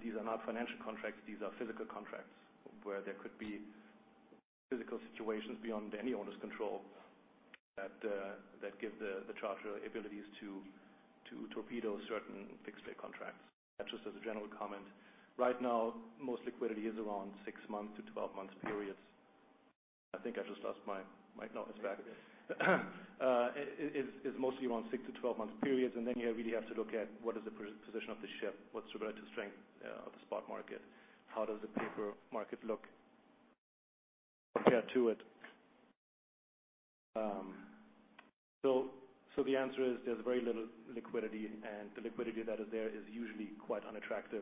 These are not financial contracts, these are physical contracts, where there could be physical situations beyond any owner's control that give the charter abilities to torpedo certain fixed fee contracts. That's just as a general comment. Right now, most liquidity is around six months to 12 months periods. I think I just lost my notes back. It is mostly around six months-12 months periods. You really have to look at what is the position of the ship, what's the relative strength of the spot market, how does the paper market look compared to it. The answer is there's very little liquidity. The liquidity that is there is usually quite unattractive,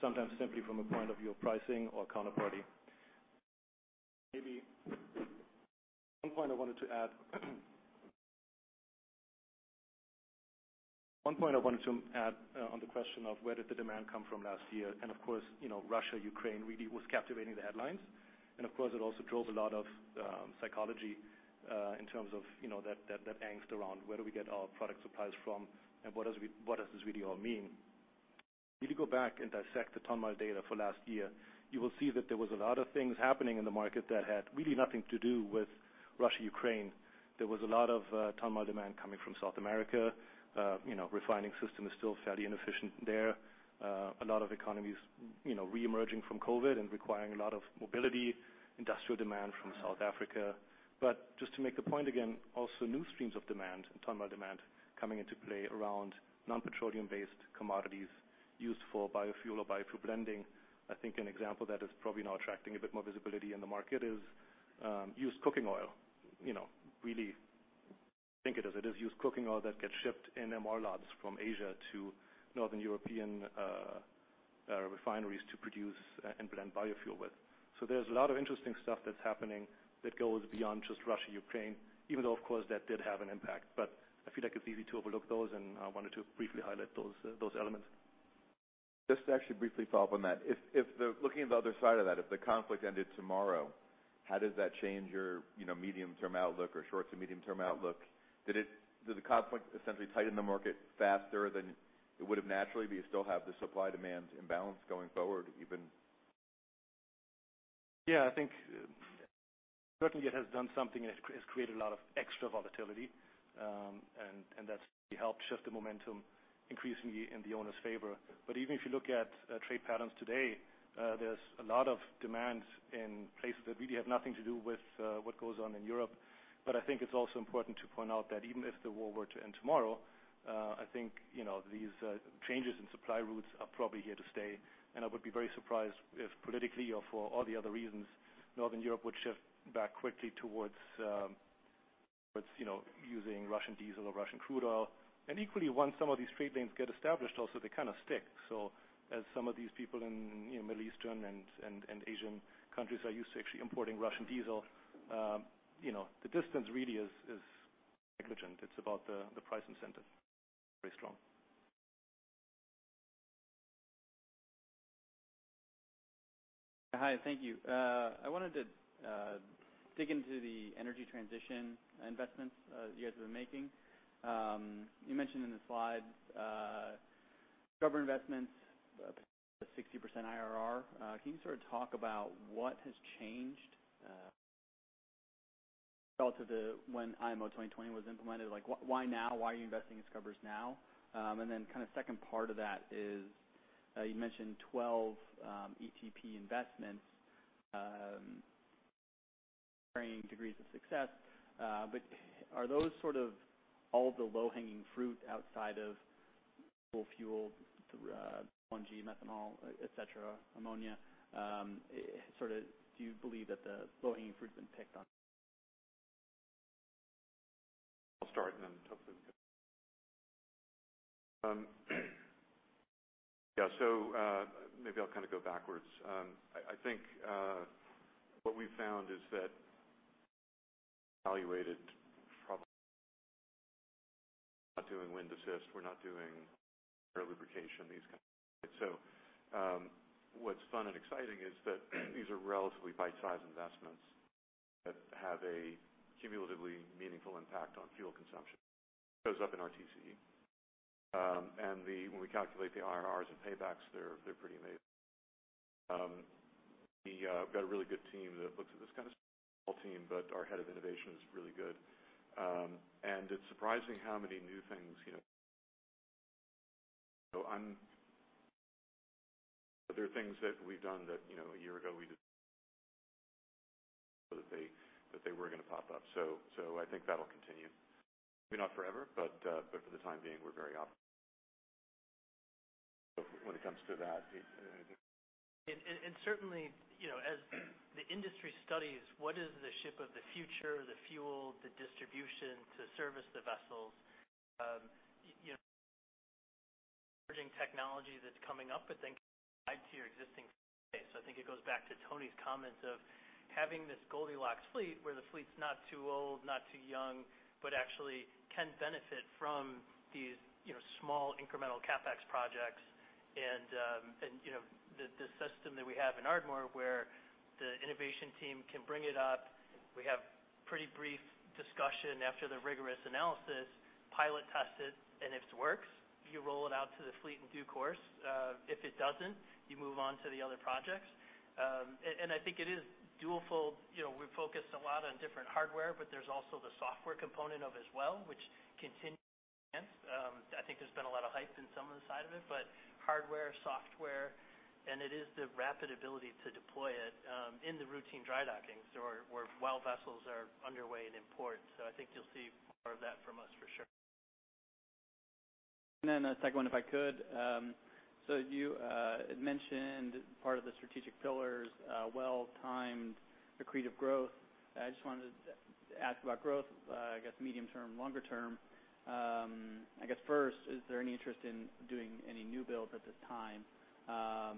sometimes simply from a point of view of pricing or counterparty. Maybe one point I wanted to add. One point I wanted to add on the question of where did the demand come from last year. Of course, you know, Russia, Ukraine really was captivating the headlines. Of course, it also drove a lot of psychology in terms of, you know, that angst around where do we get our product supplies from and what does this really all mean. If you go back and dissect the ton-mile data for last year, you will see that there was a lot of things happening in the market that had really nothing to do with Russia, Ukraine. There was a lot of ton-mile demand coming from South America. You know, refining system is still fairly inefficient there. A lot of economies, you know, reemerging from COVID and requiring a lot of mobility, industrial demand from South Africa. Just to make the point again, also new streams of demand and ton-mile demand coming into play around non-petroleum based commodities used for biofuel or biofuel blending. I think an example that is probably now attracting a bit more visibility in the market is used cooking oil. You know, really think it as it is used cooking oil that gets shipped in MR from Asia to Northern European, Our refineries to produce and blend biofuel with. There's a lot of interesting stuff that's happening that goes beyond just Russia, Ukraine, even though, of course, that did have an impact. I feel like it's easy to overlook those, and I wanted to briefly highlight those elements. Just to actually briefly follow up on that. If looking at the other side of that, if the conflict ended tomorrow, how does that change your, you know, medium-term outlook or short to medium-term outlook? Did the conflict essentially tighten the market faster than it would have naturally, do you still have the supply-demand imbalance going forward even? Yeah, I think certainly it has done something and it has created a lot of extra volatility. That's helped shift the momentum increasingly in the owner's favor. Even if you look at trade patterns today, there's a lot of demand in places that really have nothing to do with what goes on in Europe. I think it's also important to point out that even if the war were to end tomorrow, I think, you know, these changes in supply routes are probably here to stay. I would be very surprised if politically or for all the other reasons, Northern Europe would shift back quickly towards, you know, using Russian diesel or Russian crude oil. Equally, once some of these trade lanes get established also, they kind of stick. As some of these people in, you know, Middle Eastern and Asian countries are used to actually importing Russian diesel, you know, the distance really is negligent. It's about the price incentive very strong. Hi, thank you. I wanted to dig into the energy transition investments you guys have been making. You mentioned in the slides cover investments, 60% IRR. Can you sort of talk about what has changed relative to when IMO 2020 was implemented? Like why now? Why are you investing in scrubbers now? Kind of second part of that is, you mentioned 12 ETP investments, varying degrees of success. Are those sort of all the low-hanging fruit outside of fuel, LNG, methanol, et cetera, ammonia? Sort of do you believe that the low-hanging fruit has been picked on? I'll start and then hopefully. Yeah, maybe I'll kind of go backwards. I think what we found is that evaluated probably not doing wind assist, we're not doing lubrication, these kinds of things. What's fun and exciting is that these are relatively bite-sized investments that have a cumulatively meaningful impact on fuel consumption. Shows up in our TCE. When we calculate the IRRs and paybacks, they're pretty amazing. We got a really good team that looks at this kind of small team, but our head of innovation is really good. It's surprising how many new things, you know. There are things that we've done that, you know, a year ago we didn't know that they were gonna pop up. I think that'll continue. Maybe not forever, but for the time being, we're very optimistic when it comes to that. Certainly, you know, as the industry studies, what is the ship of the future, the fuel, the distribution to service the vessels? You know, emerging technology that's coming up, but then guide to your existing space. I think it goes back to Tony's comments of having this Goldilocks fleet, where the fleet's not too old, not too young, but actually can benefit from these, you know, small incremental CapEx projects. You know, the system that we have in Ardmore where the innovation team can bring it up, we have pretty brief discussion after the rigorous analysis, pilot test it, and if it works, you roll it out to the fleet in due course. If it doesn't, you move on to the other projects. I think it is dual-fold. You know, we focus a lot on different hardware, but there's also the software component of it as well, which continues to advance. I think there's been a lot of hype in some of the side of it, hardware, software, and it is the rapid ability to deploy it in the routine dry dockings or where, while vessels are underway and in port. I think you'll see more of that from us for sure. Then a second one, if I could. You had mentioned part of the strategic pillars, well-timed accretive growth. I just wanted to ask about growth, I guess medium term, longer term. I guess first, is there any interest in doing any new builds at this time? I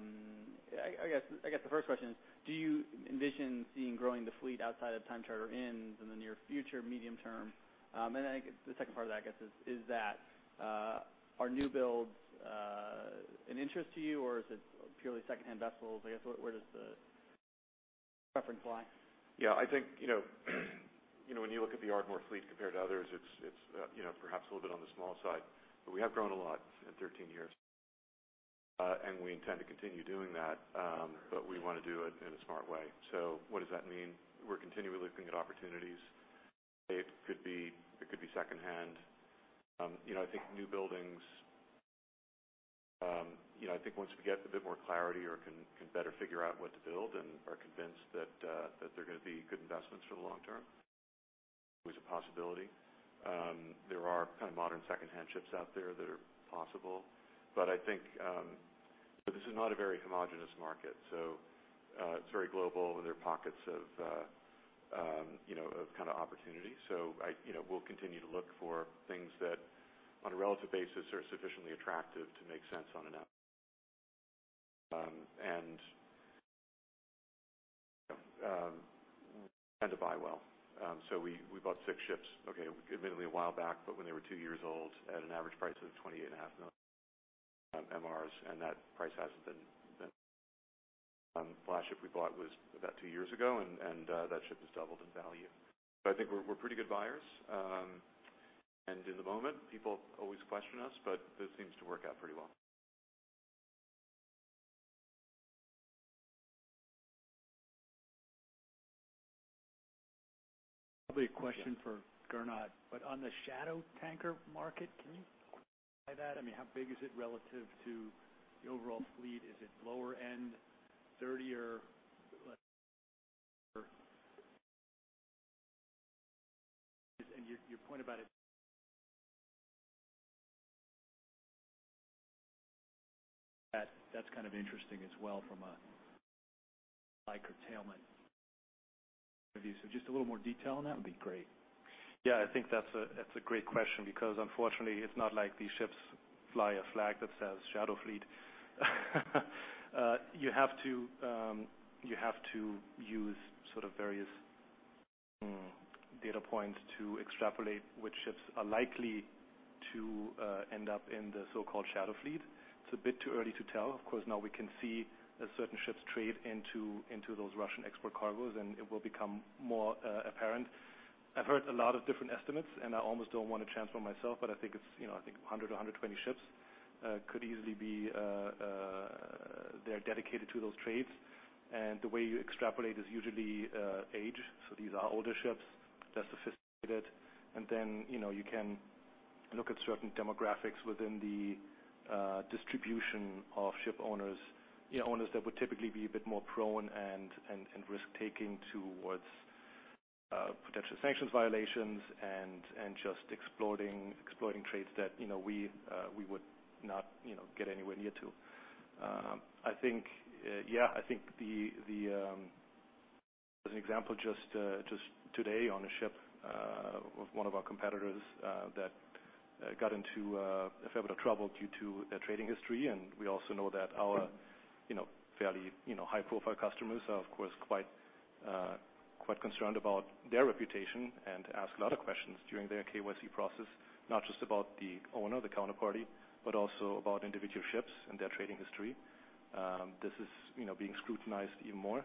guess the first question is, do you envision seeing growing the fleet outside of time charter ins in the near future, medium term? I think the second part of that, I guess, is that, are new builds, an interest to you, or is it purely secondhand vessels? I guess, where does the preference lie? Yeah, I think, you know, when you look at the Ardmore fleet compared to others, it's perhaps a little bit on the small side. We have grown a lot in 13 years, and we intend to continue doing that, but we wanna do it in a smart way. What does that mean? We're continually looking at opportunities. It could be secondhand. You know, I think new buildings, you know, I think once we get a bit more clarity or can better figure out what to build and are convinced that they're gonna be good investments for the long term, always a possibility. There are kind of modern secondhand ships out there that are possible. I think this is not a very homogeneous market. It's very global, and there are pockets of, you know, of kind of opportunity. I, you know, we'll continue to look for things that on a relative basis are sufficiently attractive to make sense on an absolute basis. We tend to buy well. We, we bought six ships, okay, admittedly a while back, but when they were two years old at an average price of twenty-eight and a half million MRs, and that price hasn't been better. The last ship we bought was about two years ago, and that ship has doubled in value. I think we're pretty good buyers. In the moment, people always question us, but this seems to work out pretty well. Probably a question for Gernot, but on the shadow tanker market, can you quantify that? I mean, how big is it relative to the overall fleet? Is it lower end, dirtier, less Your point about it. That's kind of interesting as well from a supply curtailment point of view. Just a little more detail on that would be great. I think that's a great question because unfortunately, it's not like these ships fly a flag that says shadow fleet. You have to use sort of various data points to extrapolate which ships are likely to end up in the so-called shadow fleet. It's a bit too early to tell. Now we can see as certain ships trade into those Russian export cargoes, it will become more apparent. I've heard a lot of different estimates, I almost don't want to transform myself, I think it's, you know, I think 100 ships to 120 ships could easily be dedicated to those trades. The way you extrapolate is usually age. These are older ships, less sophisticated. You know, you can look at certain demographics within the distribution of ship owners, you know, owners that would typically be a bit more prone and risk-taking towards potential sanctions violations and just exploring trades that, you know, we would not, you know, get anywhere near to. As an example, just today on a ship of one of our competitors that got into a fair bit of trouble due to their trading history. We also know that our, you know, fairly, high-profile customers are, of course, quite concerned about their reputation and ask a lot of questions during their KYC process, not just about the owner, the counterparty, but also about individual ships and their trading history. This is, you know, being scrutinized even more.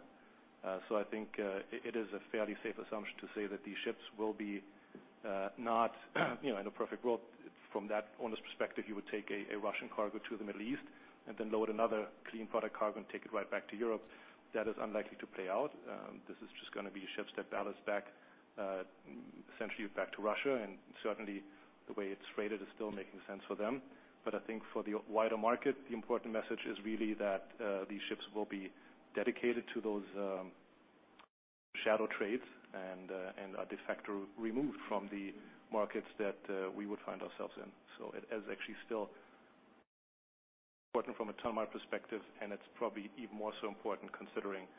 I think, it is a fairly safe assumption to say that these ships will be, not, you know, in a perfect world, from that owner's perspective, he would take a Russian cargo to the Middle East and then load another clean product cargo and take it right back to Europe. That is unlikely to play out. This is just gonna be ships that balance back, essentially back to Russia. Certainly, the way it's traded is still making sense for them. I think for the wider market, the important message is really that, these ships will be dedicated to those, shadow trades and are de facto removed from the markets that, we would find ourselves in. It is actually still important from a ton-mile perspective, and it's probably even more so important considering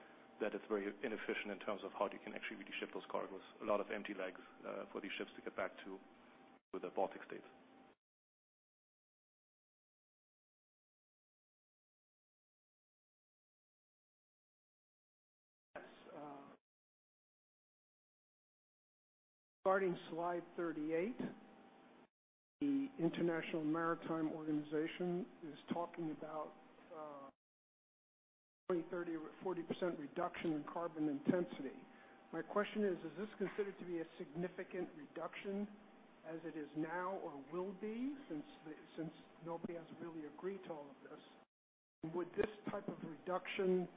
that it's very inefficient in terms of how you can actually really ship those cargoes. A lot of empty legs for these ships to get back to the Baltic States. Starting slide 38, the International Maritime Organization is talking about 20%, 30%, or 40% reduction in carbon intensity. My question is this considered to be a significant reduction as it is now or will be since nobody has really agreed to all of this? Would this type of reduction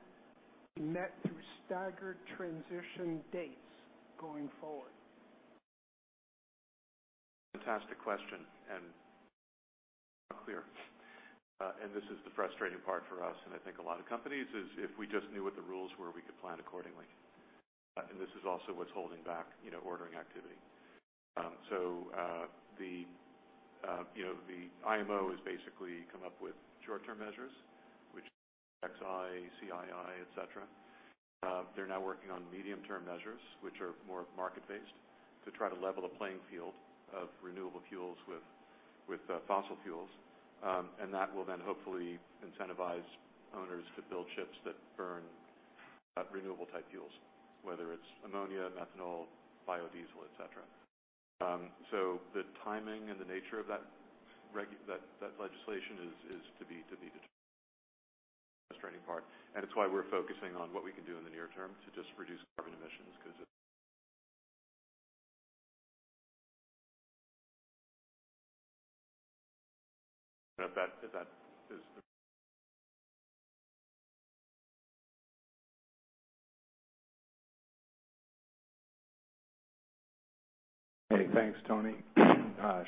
be met through staggered transition dates going forward? Fantastic question. It's not clear. This is the frustrating part for us, and I think a lot of companies, is if we just knew what the rules were, we could plan accordingly. This is also what's holding back, you know, ordering activity. The, you know, the IMO has basically come up with short-term measures, which are EEXI, CII, et cetera. They're now working on medium-term measures, which are more market-based, to try to level the playing field of renewable fuels with fossil fuels. That will then hopefully incentivize owners to build ships that burn renewable type fuels, whether it's ammonia, methanol, biodiesel, et cetera. The timing and the nature of that legislation is to be determined. That's the frustrating part, and it's why we're focusing on what we can do in the near term to just reduce carbon emissions because if that, if that is the. Hey, thanks, Tony.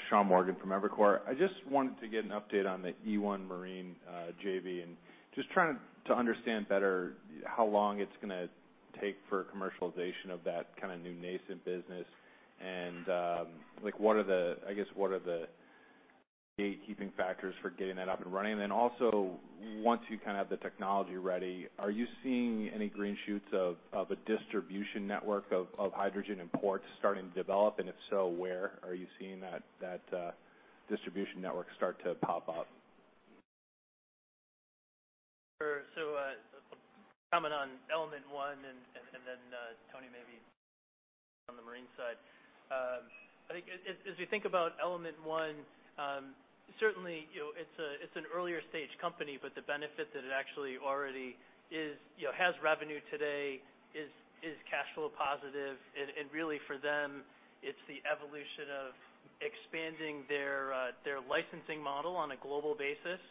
Sean Morgan from Evercore. I just wanted to get an update on the e1 Marine, JV, and just trying to understand better how long it's gonna take for commercialization of that kind of new nascent business. Like, what are the, I guess, what are the gatekeeping factors for getting that up and running. Also, once you kind of have the technology ready, are you seeing any green shoots of a distribution network of hydrogen imports starting to develop? If so, where are you seeing that distribution network start to pop up? Sure. Comment on Element one and then, Tony, maybe on the marine side. I think as we think about Element one, certainly, you know, it's an earlier stage company, but the benefit that it actually already is, you know, has revenue today, is cash flow positive. Really for them, it's the evolution of expanding their licensing model on a global basis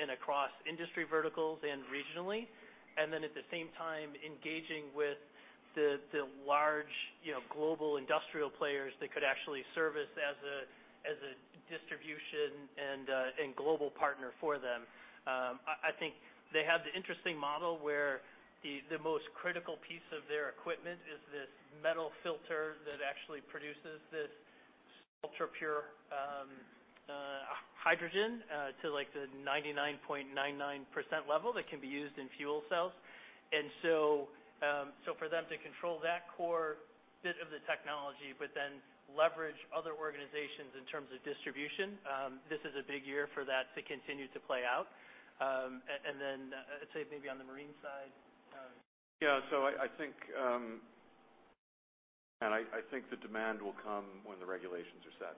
and across industry verticals and regionally. Then at the same time, engaging with the large, you know, global industrial players that could actually service as a distribution and global partner for them. I think they have the interesting model where the most critical piece of their equipment is this metal filter that actually produces this ultra-pure hydrogen to like the 99.99% level that can be used in fuel cells. For them to control that core bit of the technology, but then leverage other organizations in terms of distribution, this is a big year for that to continue to play out. Say maybe on the marine side. Yeah. I think the demand will come when the regulations are set.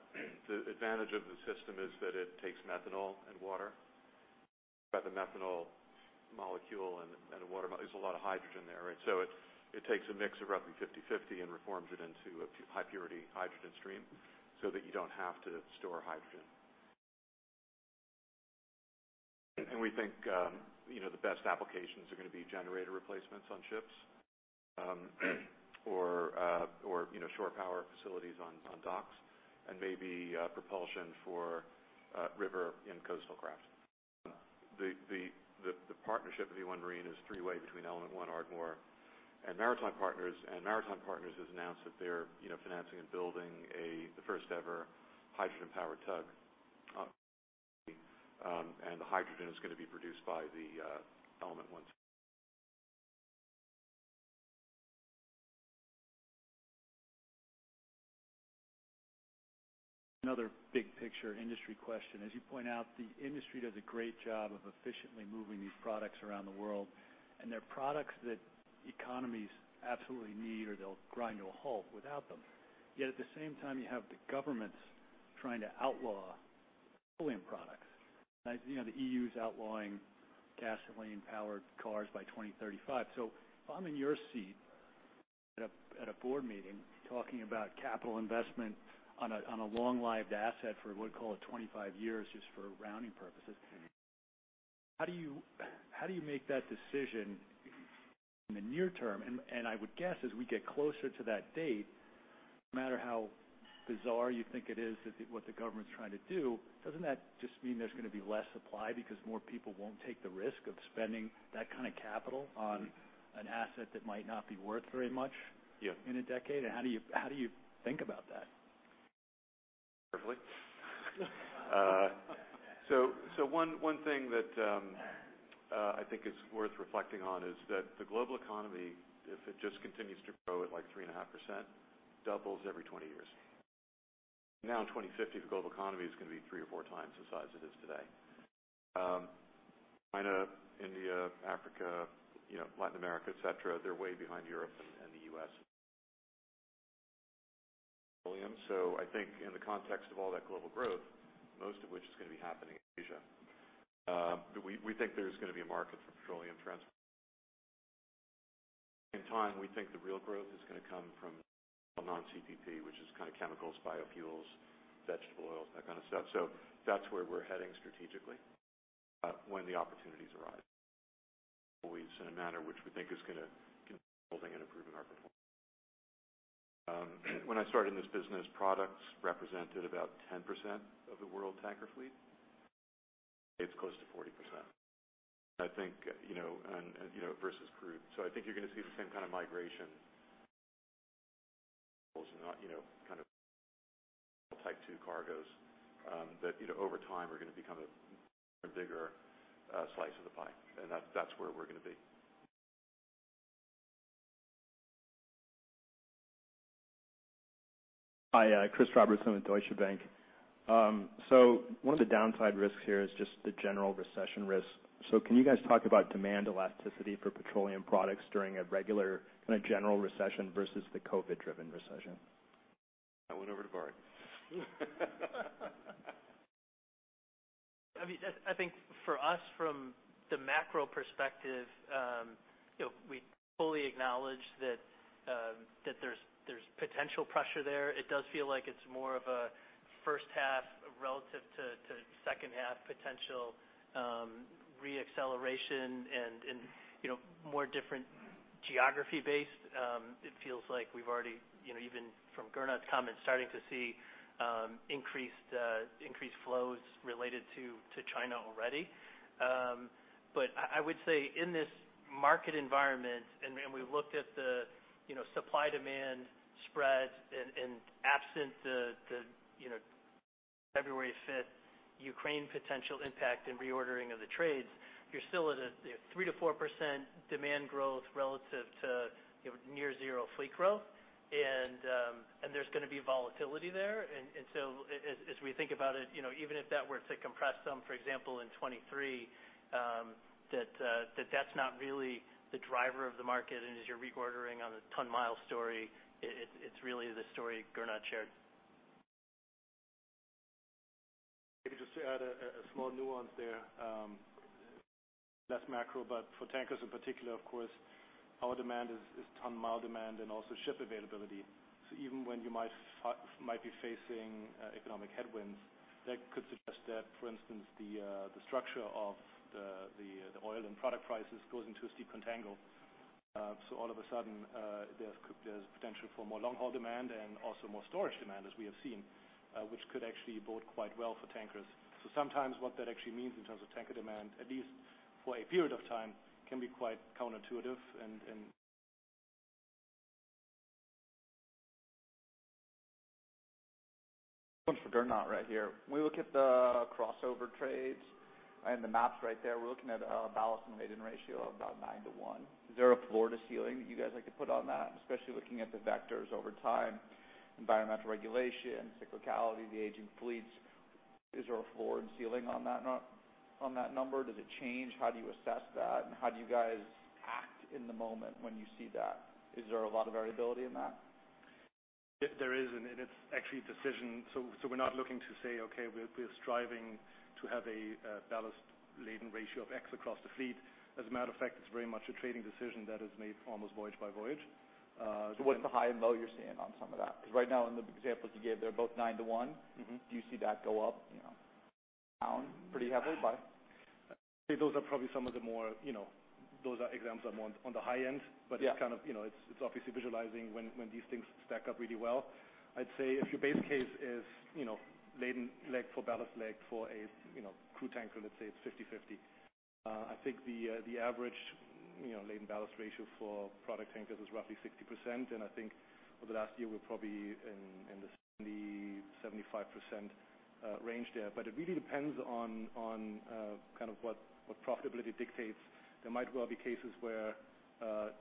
The advantage of the system is that it takes methanol and water. By the methanol molecule and the water. There's a lot of hydrogen there, right? It takes a mix of roughly 50/50 and reforms it into a high purity hydrogen stream so that you don't have to store hydrogen. We think, you know, the best applications are gonna be generator replacements on ships, or, you know, shore power facilities on docks, and maybe propulsion for river and coastal crafts. The partnership with e1 Marine is three-way between Element 1, Ardmore, and Maritime Partners. Maritime Partners has announced that they're, you know, financing and building the first ever hydrogen-powered tug, and the hydrogen is gonna be produced by the Element 1. Another big picture industry question. As you point out, the industry does a great job of efficiently moving these products around the world, they're products that economies absolutely need, or they'll grind to a halt without them. At the same time, you have the governments trying to outlaw petroleum products. You know, the EU's outlawing gasoline-powered cars by 2035. If I'm in your seat at a board meeting talking about capital investment on a long-lived asset for we'll call it 25 years just for rounding purposes, how do you make that decision in the near term? I would guess as we get closer to that date, no matter how bizarre you think it is what the government's trying to do, doesn't that just mean there's gonna be less supply because more people won't take the risk of spending that kind of capital on an asset that might not be worth very much? Yeah. in a decade? How do you think about that? Carefully. One thing that I think is worth reflecting on is that the global economy, if it just continues to grow at like 3.5%, doubles every 20 years. In 2050, the global economy is gonna be three times or four times the size it is today. China, India, Africa, you know, Latin America, et cetera, they're way behind Europe and the U.S. William. I think in the context of all that global growth, most of which is gonna be happening in Asia, we think there's gonna be a market for petroleum transport. In time, we think the real growth is gonna come from non-CPP, which is kind of chemicals, biofuels, vegetable oils, that kind of stuff. That's where we're heading strategically when the opportunities arise. Always in a manner which we think is gonna keep building and improving our performance. When I started in this business, products represented about 10% of the world tanker fleet. It's close to 40%. I think, you know, and, you know, versus crude. I think you're gonna see the same kind of migration. You know, kind of type two cargoes, that, you know, over time are gonna become a bigger slice of the pie. That's, that's where we're gonna be. Hi, Chris Robertson with Deutsche Bank. One of the downside risks here is just the general recession risk. Can you guys talk about demand elasticity for petroleum products during a regular, kind of general recession versus the COVID-driven recession? That one over to Bart. I mean, I think for us from the macro perspective, you know, we fully acknowledge that there's potential pressure there. It does feel like it's more of a first half relative to second half potential re-acceleration and, you know, more different geography-based. It feels like we've already, you know, even from Gernot's comments, starting to see increased flows related to China already. I would say in this market environment, and we've looked at the, you know, supply-demand spreads and absent the, you know, February 5th Ukraine potential impact and reordering of the trades, you're still at a 3%-4% demand growth relative to, you know, near zero fleet growth. There's gonna be volatility there. As we think about it, you know, even if that were to compress some, for example, in 23, that's not really the driver of the market, and as you're reordering on a ton-mile story, it's really the story Gernot shared. Maybe just to add a small nuance there, less macro, but for tankers in particular, of course, our demand is ton-mile demand and also ship availability. Even when you might be facing economic headwinds, that could suggest that, for instance, the structure of the oil and product prices goes into a steep contango. All of a sudden, there's potential for more long haul demand and also more storage demand, as we have seen, which could actually bode quite well for tankers. Sometimes what that actually means in terms of tanker demand, at least for a period of time, can be quite counterintuitive and. One for Gernot right here. When we look at the crossover trades and the maps right there, we're looking at a ballast and laden ratio of about nine to one. Is there a floor to ceiling that you guys like to put on that, especially looking at the vectors over time, environmental regulation, cyclicality, the aging fleets? Is there a floor and ceiling on that on that number? Does it change? How do you assess that, and how do you guys act in the moment when you see that? Is there a lot of variability in that? There is, and it's actually a decision. We're not looking to say, "Okay, we're striving to have a ballast laden ratio of X across the fleet." It's very much a trading decision that is made almost voyage by voyage. What's the high and low you're seeing on some of that? Because right now in the examples you gave, they're both nine to one. Mm-hmm. Do you see that go up, you know, down pretty heavily by? Those are probably some of the more, you know... those are examples on more, on the high end. Yeah. It's kind of, you know, it's obviously visualizing when these things stack up really well. I'd say if your base case is, you know, laden leg for ballast leg for a, you know, crew tanker, let's say it's 50/50. I think the average, you know, laden ballast ratio for product tankers is roughly 60%, and I think over the last year, we're probably in the 70%-75% range there. It really depends on kind of what profitability dictates. There might well be cases where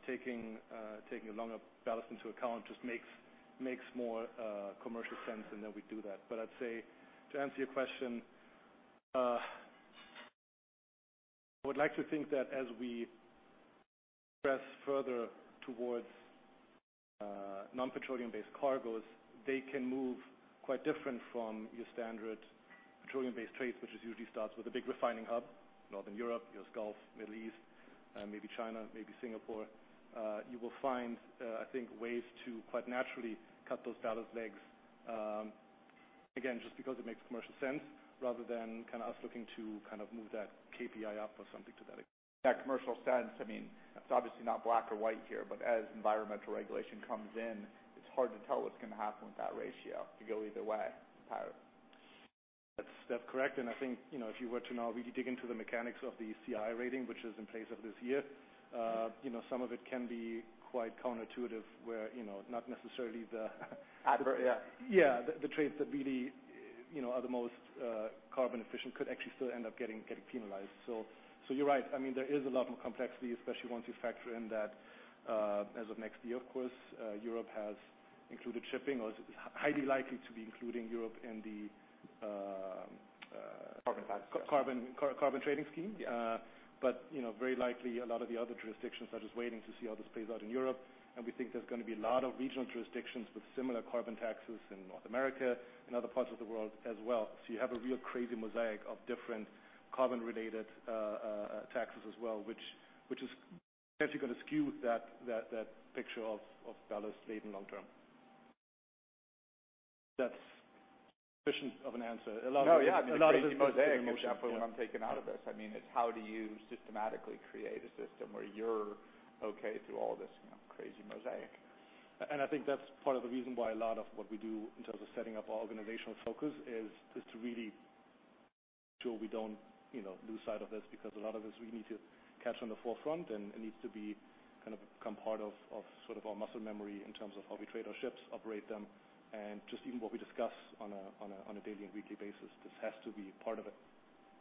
taking a longer ballast into account just makes more commercial sense, and then we do that. I'd say, to answer your question, I would like to think that as we progress further towards non-petroleum-based cargos, they can move quite different from your standard petroleum-based trades, which is usually starts with a big refining hub, Northern Europe, US Gulf, Middle East, maybe China, maybe Singapore. You will find, I think ways to quite naturally cut those ballast legs, again, just because it makes commercial sense rather than kind of us looking to kind of move that KPI up or something to that effect. That commercial sense, I mean, it's obviously not black or white here, but as environmental regulation comes in, it's hard to tell what's gonna happen with that ratio to go either way, apparently. That's correct. I think, you know, if you were to now really dig into the mechanics of the CII rating, which is in place of this year, you know, some of it can be quite counterintuitive, where, you know, not necessarily the. Yeah. Yeah. The, the trades that really, you know, are the most carbon efficient could actually still end up getting penalized. You're right. I mean, there is a lot more complexity, especially once you factor in that, as of next year, of course, Europe has included shipping or is highly likely to be including Europe in the, Carbon tax. Car-carbon trading scheme. But, you know, very likely a lot of the other jurisdictions are just waiting to see how this plays out in Europe. We think there's gonna be a lot of regional jurisdictions with similar carbon taxes in North America and other parts of the world as well. You have a real crazy mosaic of different carbon-related taxes as well, which is definitely gonna skew that picture of ballast laden long term. That's sufficient of an answer. No, yeah. A lot of The crazy mosaic example is what I'm taking out of this. I mean, it's how do you systematically create a system where you're okay through all this, you know, crazy mosaic? I think that's part of the reason why a lot of what we do in terms of setting up our organizational focus is to really make sure we don't, you know, lose sight of this because a lot of this we need to catch on the forefront and it needs to be kind of become part of sort of our muscle memory in terms of how we trade our ships, operate them, and just even what we discuss on a daily and weekly basis. This has to be part of it.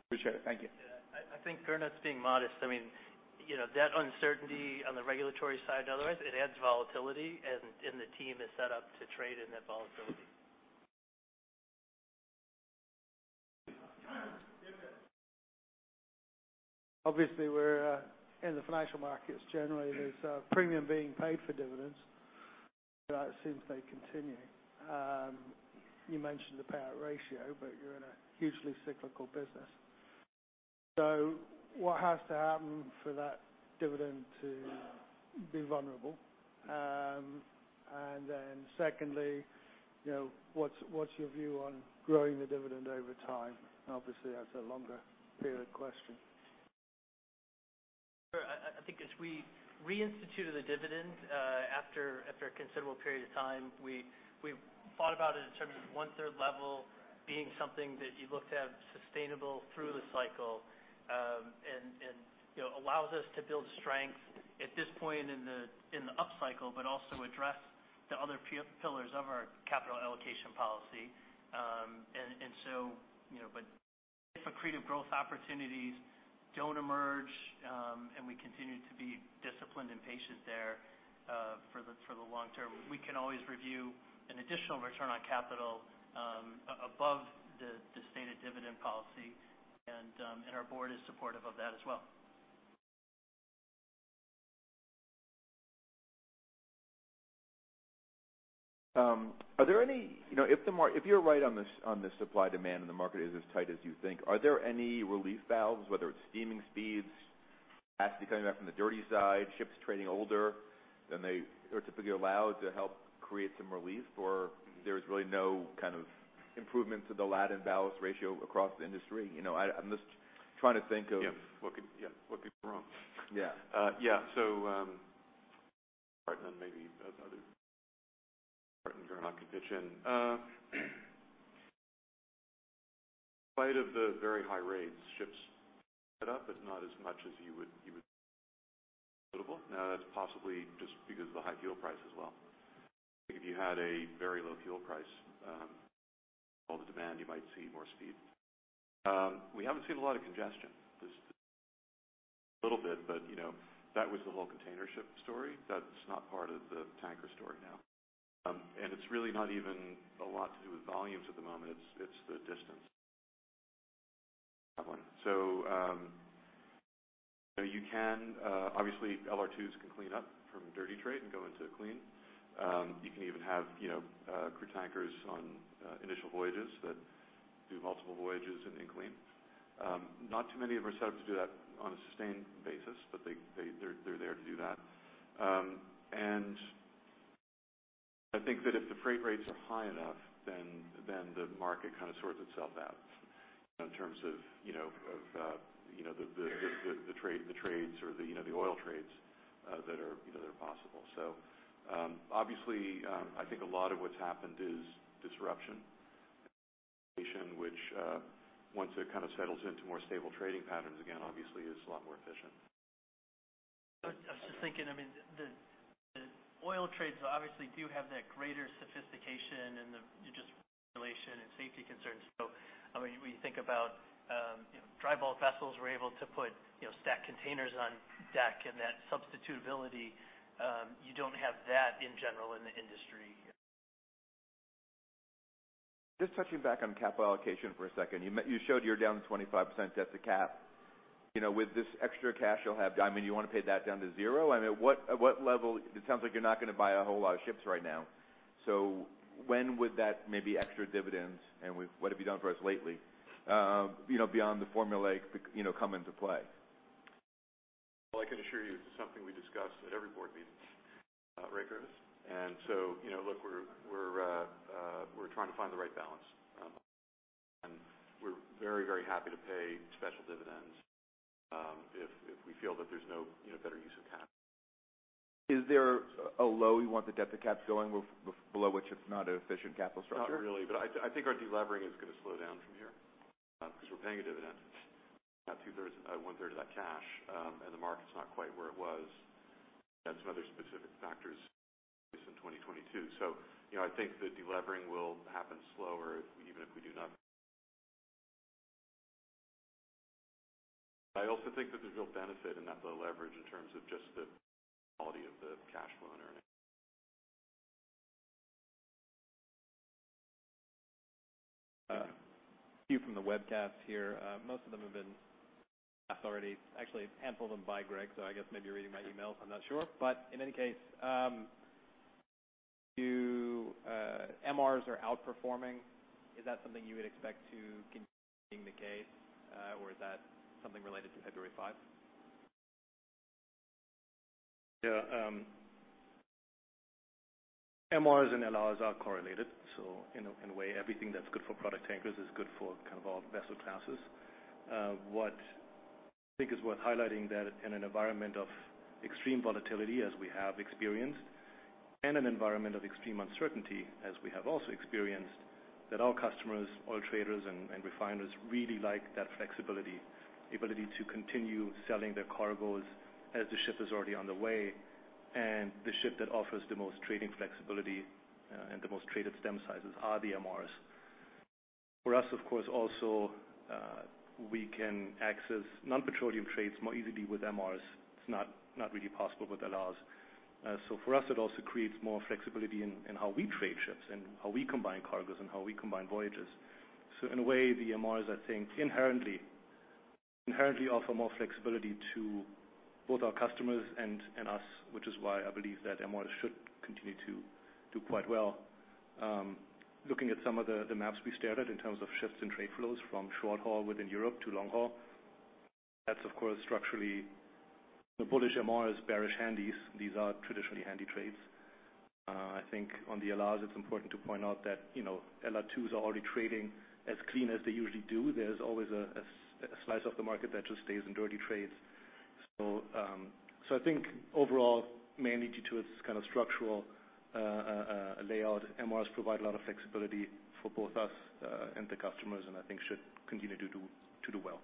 Appreciate it. Thank you. Yeah. I think Gernot's being modest. I mean, you know, that uncertainty on the regulatory side and otherwise, it adds volatility and the team is set up to trade in that volatility. Obviously, we're in the financial markets, generally, there's a premium being paid for dividends. It seems they continue. You mentioned the payout ratio. You're in a hugely cyclical business. What has to happen for that dividend to be vulnerable? Secondly, you know, what's your view on growing the dividend over time? Obviously, that's a longer period question. Sure. I think as we reinstituted the dividend, after a considerable period of time, we thought about it in terms of one-third level being something that you look to have sustainable through the cycle, and, you know, allows us to build strength at this point in the upcycle, but also address the other pillars of our capital allocation policy. You know, if accretive growth opportunities don't emerge, and we continue to be disciplined and patient there, for the long term, we can always review an additional return on capital, above the stated dividend policy, and our board is supportive of that as well. You know, if you're right on this, on the supply-demand and the market is as tight as you think, are there any relief valves, whether it's steaming speeds, capacity coming back from the dirty side, ships trading older than they are typically allowed to help create some relief? There's really no kind of improvement to the Latin/ballast ratio across the industry? You know, I'm just trying to think of. Yeah. Yeah, what could go wrong? Yeah. Yeah. Maybe as other during our competition. In spite of the very high rates, ships set up, but not as much as you would. Now, that's possibly just because of the high fuel price as well. If you had a very low fuel price, all the demand, you might see more speed. We haven't seen a lot of congestion. Just a little bit, but, you know, that was the whole container ship story. That's not part of the tanker story now. It's really not even a lot to do with volumes at the moment, it's the distance. You can, obviously, LR2s can clean up from dirty trade and go into clean. You can even have, you know, crude tankers on initial voyages that do multiple voyages in clean. Not too many of our set up to do that on a sustained basis, but they're there to do that. I think that if the freight rates are high enough, then the market kind of sorts itself out in terms of, you know, of, you know, the trades or the, you know, the oil trades, that are, you know, that are possible. Obviously, I think a lot of what's happened is disruption, which once it kind of settles into more stable trading patterns, again, obviously is a lot more efficient. I was just thinking, I mean, the oil trades obviously do have that greater sophistication and the just regulation and safety concerns. I mean, when you think about, you know, dry bulk vessels, we're able to put, you know, stack containers on deck and that substitutability, you don't have that in general in the industry. Touching back on capital allocation for a second. You showed you're down 25% debt to cap. You know, with this extra cash you'll have, I mean, you wanna pay that down to zero. I mean, what, at what level? It sounds like you're not gonna buy a whole lot of ships right now. When would that maybe extra dividends and with what have you done for us lately, you know, beyond the Formula One, you know, come into play? Well, I can assure you it's something we discuss at every board meeting, Ray Curtis. You know, look, we're trying to find the right balance. We're very, very happy to pay special dividends if we feel that there's no, you know, better use of capital. Is there a low you want the debt to cap going below which it's not an efficient capital structure? Not really. I think our delevering is gonna slow down from here because we're paying a dividend. About 2/3, 1/3 of that cash, and the market's not quite where it was. Had some other specific factors in 2022. You know, I think the delevering will happen slower if even if we do not. I also think that there's real benefit in that low leverage in terms of just the quality of the cash flow and earnings. Few from the webcast here. Most of them have been already. Actually, a handful of them by Greg, so I guess maybe you're reading my emails, I'm not sure. In any case, to MRs are outperforming, is that something you would expect to continuing being the case, or is that something related to February 5? Yeah. MRs and LRs are correlated, in a way, everything that's good for product tankers is good for kind of all vessel classes. What I think is worth highlighting that in an environment of extreme volatility as we have experienced, and an environment of extreme uncertainty as we have also experienced, that our customers, oil traders and refiners really like that flexibility, ability to continue selling their cargoes as the ship is already on the way, and the ship that offers the most trading flexibility, and the most traded stem sizes are the MRs. For us, of course also, we can access non-petroleum trades more easily with MRs. It's not really possible with LRs. For us, it also creates more flexibility in how we trade ships and how we combine cargoes and how we combine voyages. In a way, the MRs, I think, inherently offer more flexibility to both our customers and us, which is why I believe that MRs should continue to do quite well. Looking at some of the maps we stared at in terms of shifts in trade flows from short haul within Europe to long haul, that's of course, structurally bullish MRs, bearish handies. These are traditionally handy trades. I think on the LRs, it's important to point out that, you know, LR2s are already trading as clean as they usually do. There's always a slice of the market that just stays in dirty trades. I think overall, mainly due to its kind of structural, layout, MRs provide a lot of flexibility for both us, and the customers, and I think should continue to do well.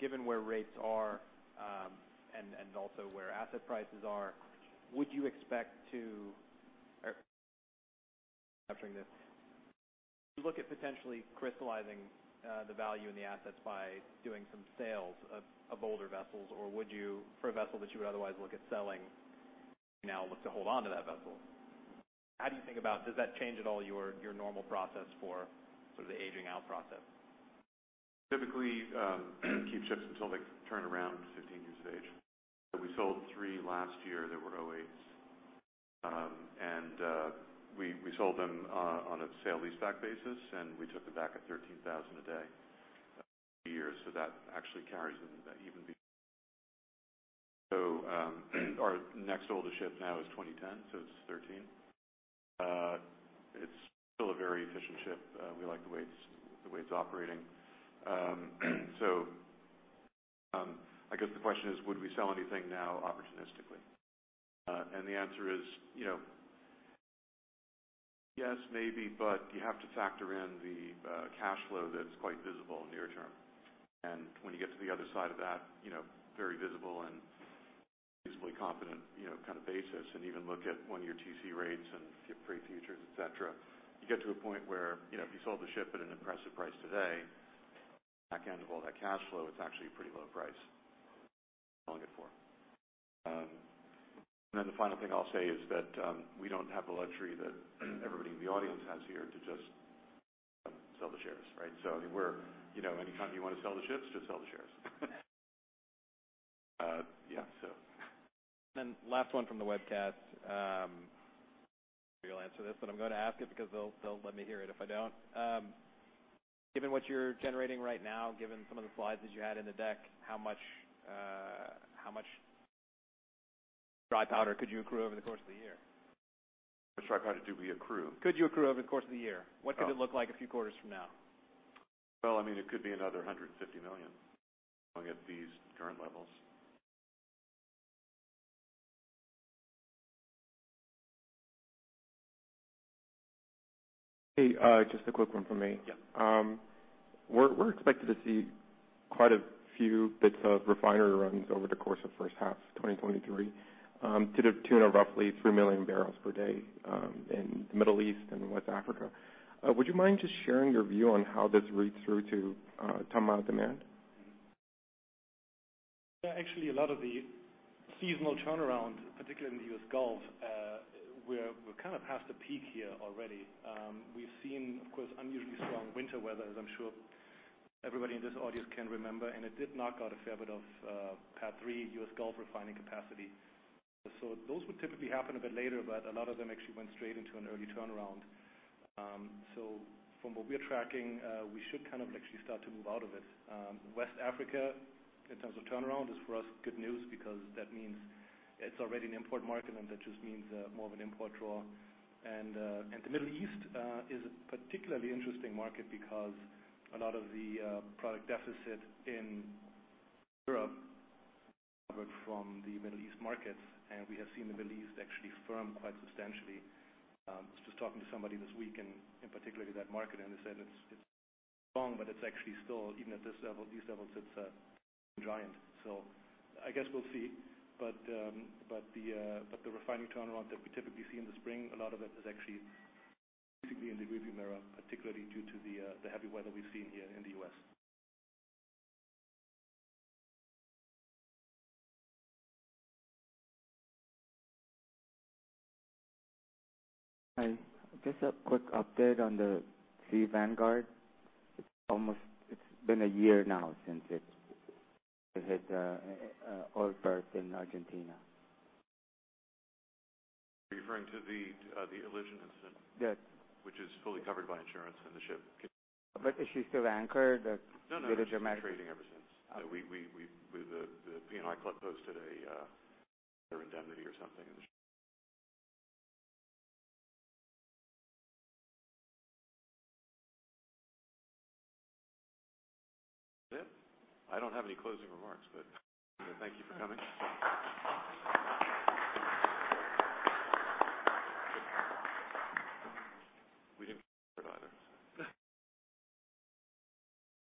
Given where rates are, and also where asset prices are, Look at potentially crystallizing the value in the assets by doing some sales of older vessels? Or would you, for a vessel that you would otherwise look at selling now look to hold on to that vessel? How do you think about, does that change at all your normal process for sort of the aging out process? Typically, keep ships until they turn around 15 years of age. We sold three last year that were 2008s. We sold them, on a sale leaseback basis, and we took them back at $13,000 a day for years. That actually carries an even Our next oldest ship now is 2010, so it's 13. It's still a very efficient ship. We like the way it's operating. I guess the question is, would we sell anything now opportunistically? The answer is, you know, yes, maybe, but you have to factor in the cash flow that's quite visible near term. When you get to the other side of that, you know, very visible and reasonably confident, you know, kind of basis, and even look at one-year TC rates and freight futures, et cetera, you get to a point where, you know, if you sold the ship at an impressive price today, back end of all that cash flow, it's actually a pretty low price selling it for. The final thing I'll say is that, we don't have the luxury that everybody in the audience has here to just sell the shares, right? We're, you know, anytime you wanna sell the ships, just sell the shares. Yeah, so. Last one from the webcast. You'll answer this, but I'm gonna ask it because they'll let me hear it if I don't. Given what you're generating right now, given some of the slides that you had in the deck, how much dry powder could you accrue over the course of the year? How much dry powder do we accrue? Could you accrue over the course of the year? What could it look like a few quarters from now? Well, I mean, it could be another $150 million at these current levels. Hey, just a quick one from me. Yeah. We're expected to see quite a few bits of refinery runs over the course of first half of 2023, to the tune of roughly 3 million barrels per day, in Middle East and West Africa. Would you mind just sharing your view on how this reads through to tonne mile demand? Actually, a lot of the seasonal turnaround, particularly in the US Gulf, we're kinda past the peak here already. We've seen, of course, unusually strong winter weather, as I'm sure everybody in this audience can remember, and it did knock out a fair bit of PADD 3 US Gulf refining capacity. Those would typically happen a bit later, but a lot of them actually went straight into an early turnaround. From what we're tracking, we should kind of actually start to move out of it. West Africa, in terms of turnaround, is for us good news because that means it's already an import market, and that just means more of an import draw. The Middle East is a particularly interesting market because a lot of the product deficit in Europe from the Middle East markets, and we have seen the Middle East actually firm quite substantially. I was just talking to somebody this week and in particular that market and they said it's long, but it's actually still, even at this level, these levels, it's giant. I guess we'll see. The refining turnaround that we typically see in the spring, a lot of it is actually basically in the rearview mirror, particularly due to the heavy weather we've seen here in the U.S. Hi. Just a quick update on the Ardmore Seavanguard. It's been a year now since it hit all berth in Argentina. Referring to the Elysian incident? Yes. is fully covered by insurance and the. Is she still anchored? No, no. The German- She's been trading ever since. We the P&I Club posted a their indemnity or something. That's it. I don't have any closing remarks, but thank you for coming. We didn't either.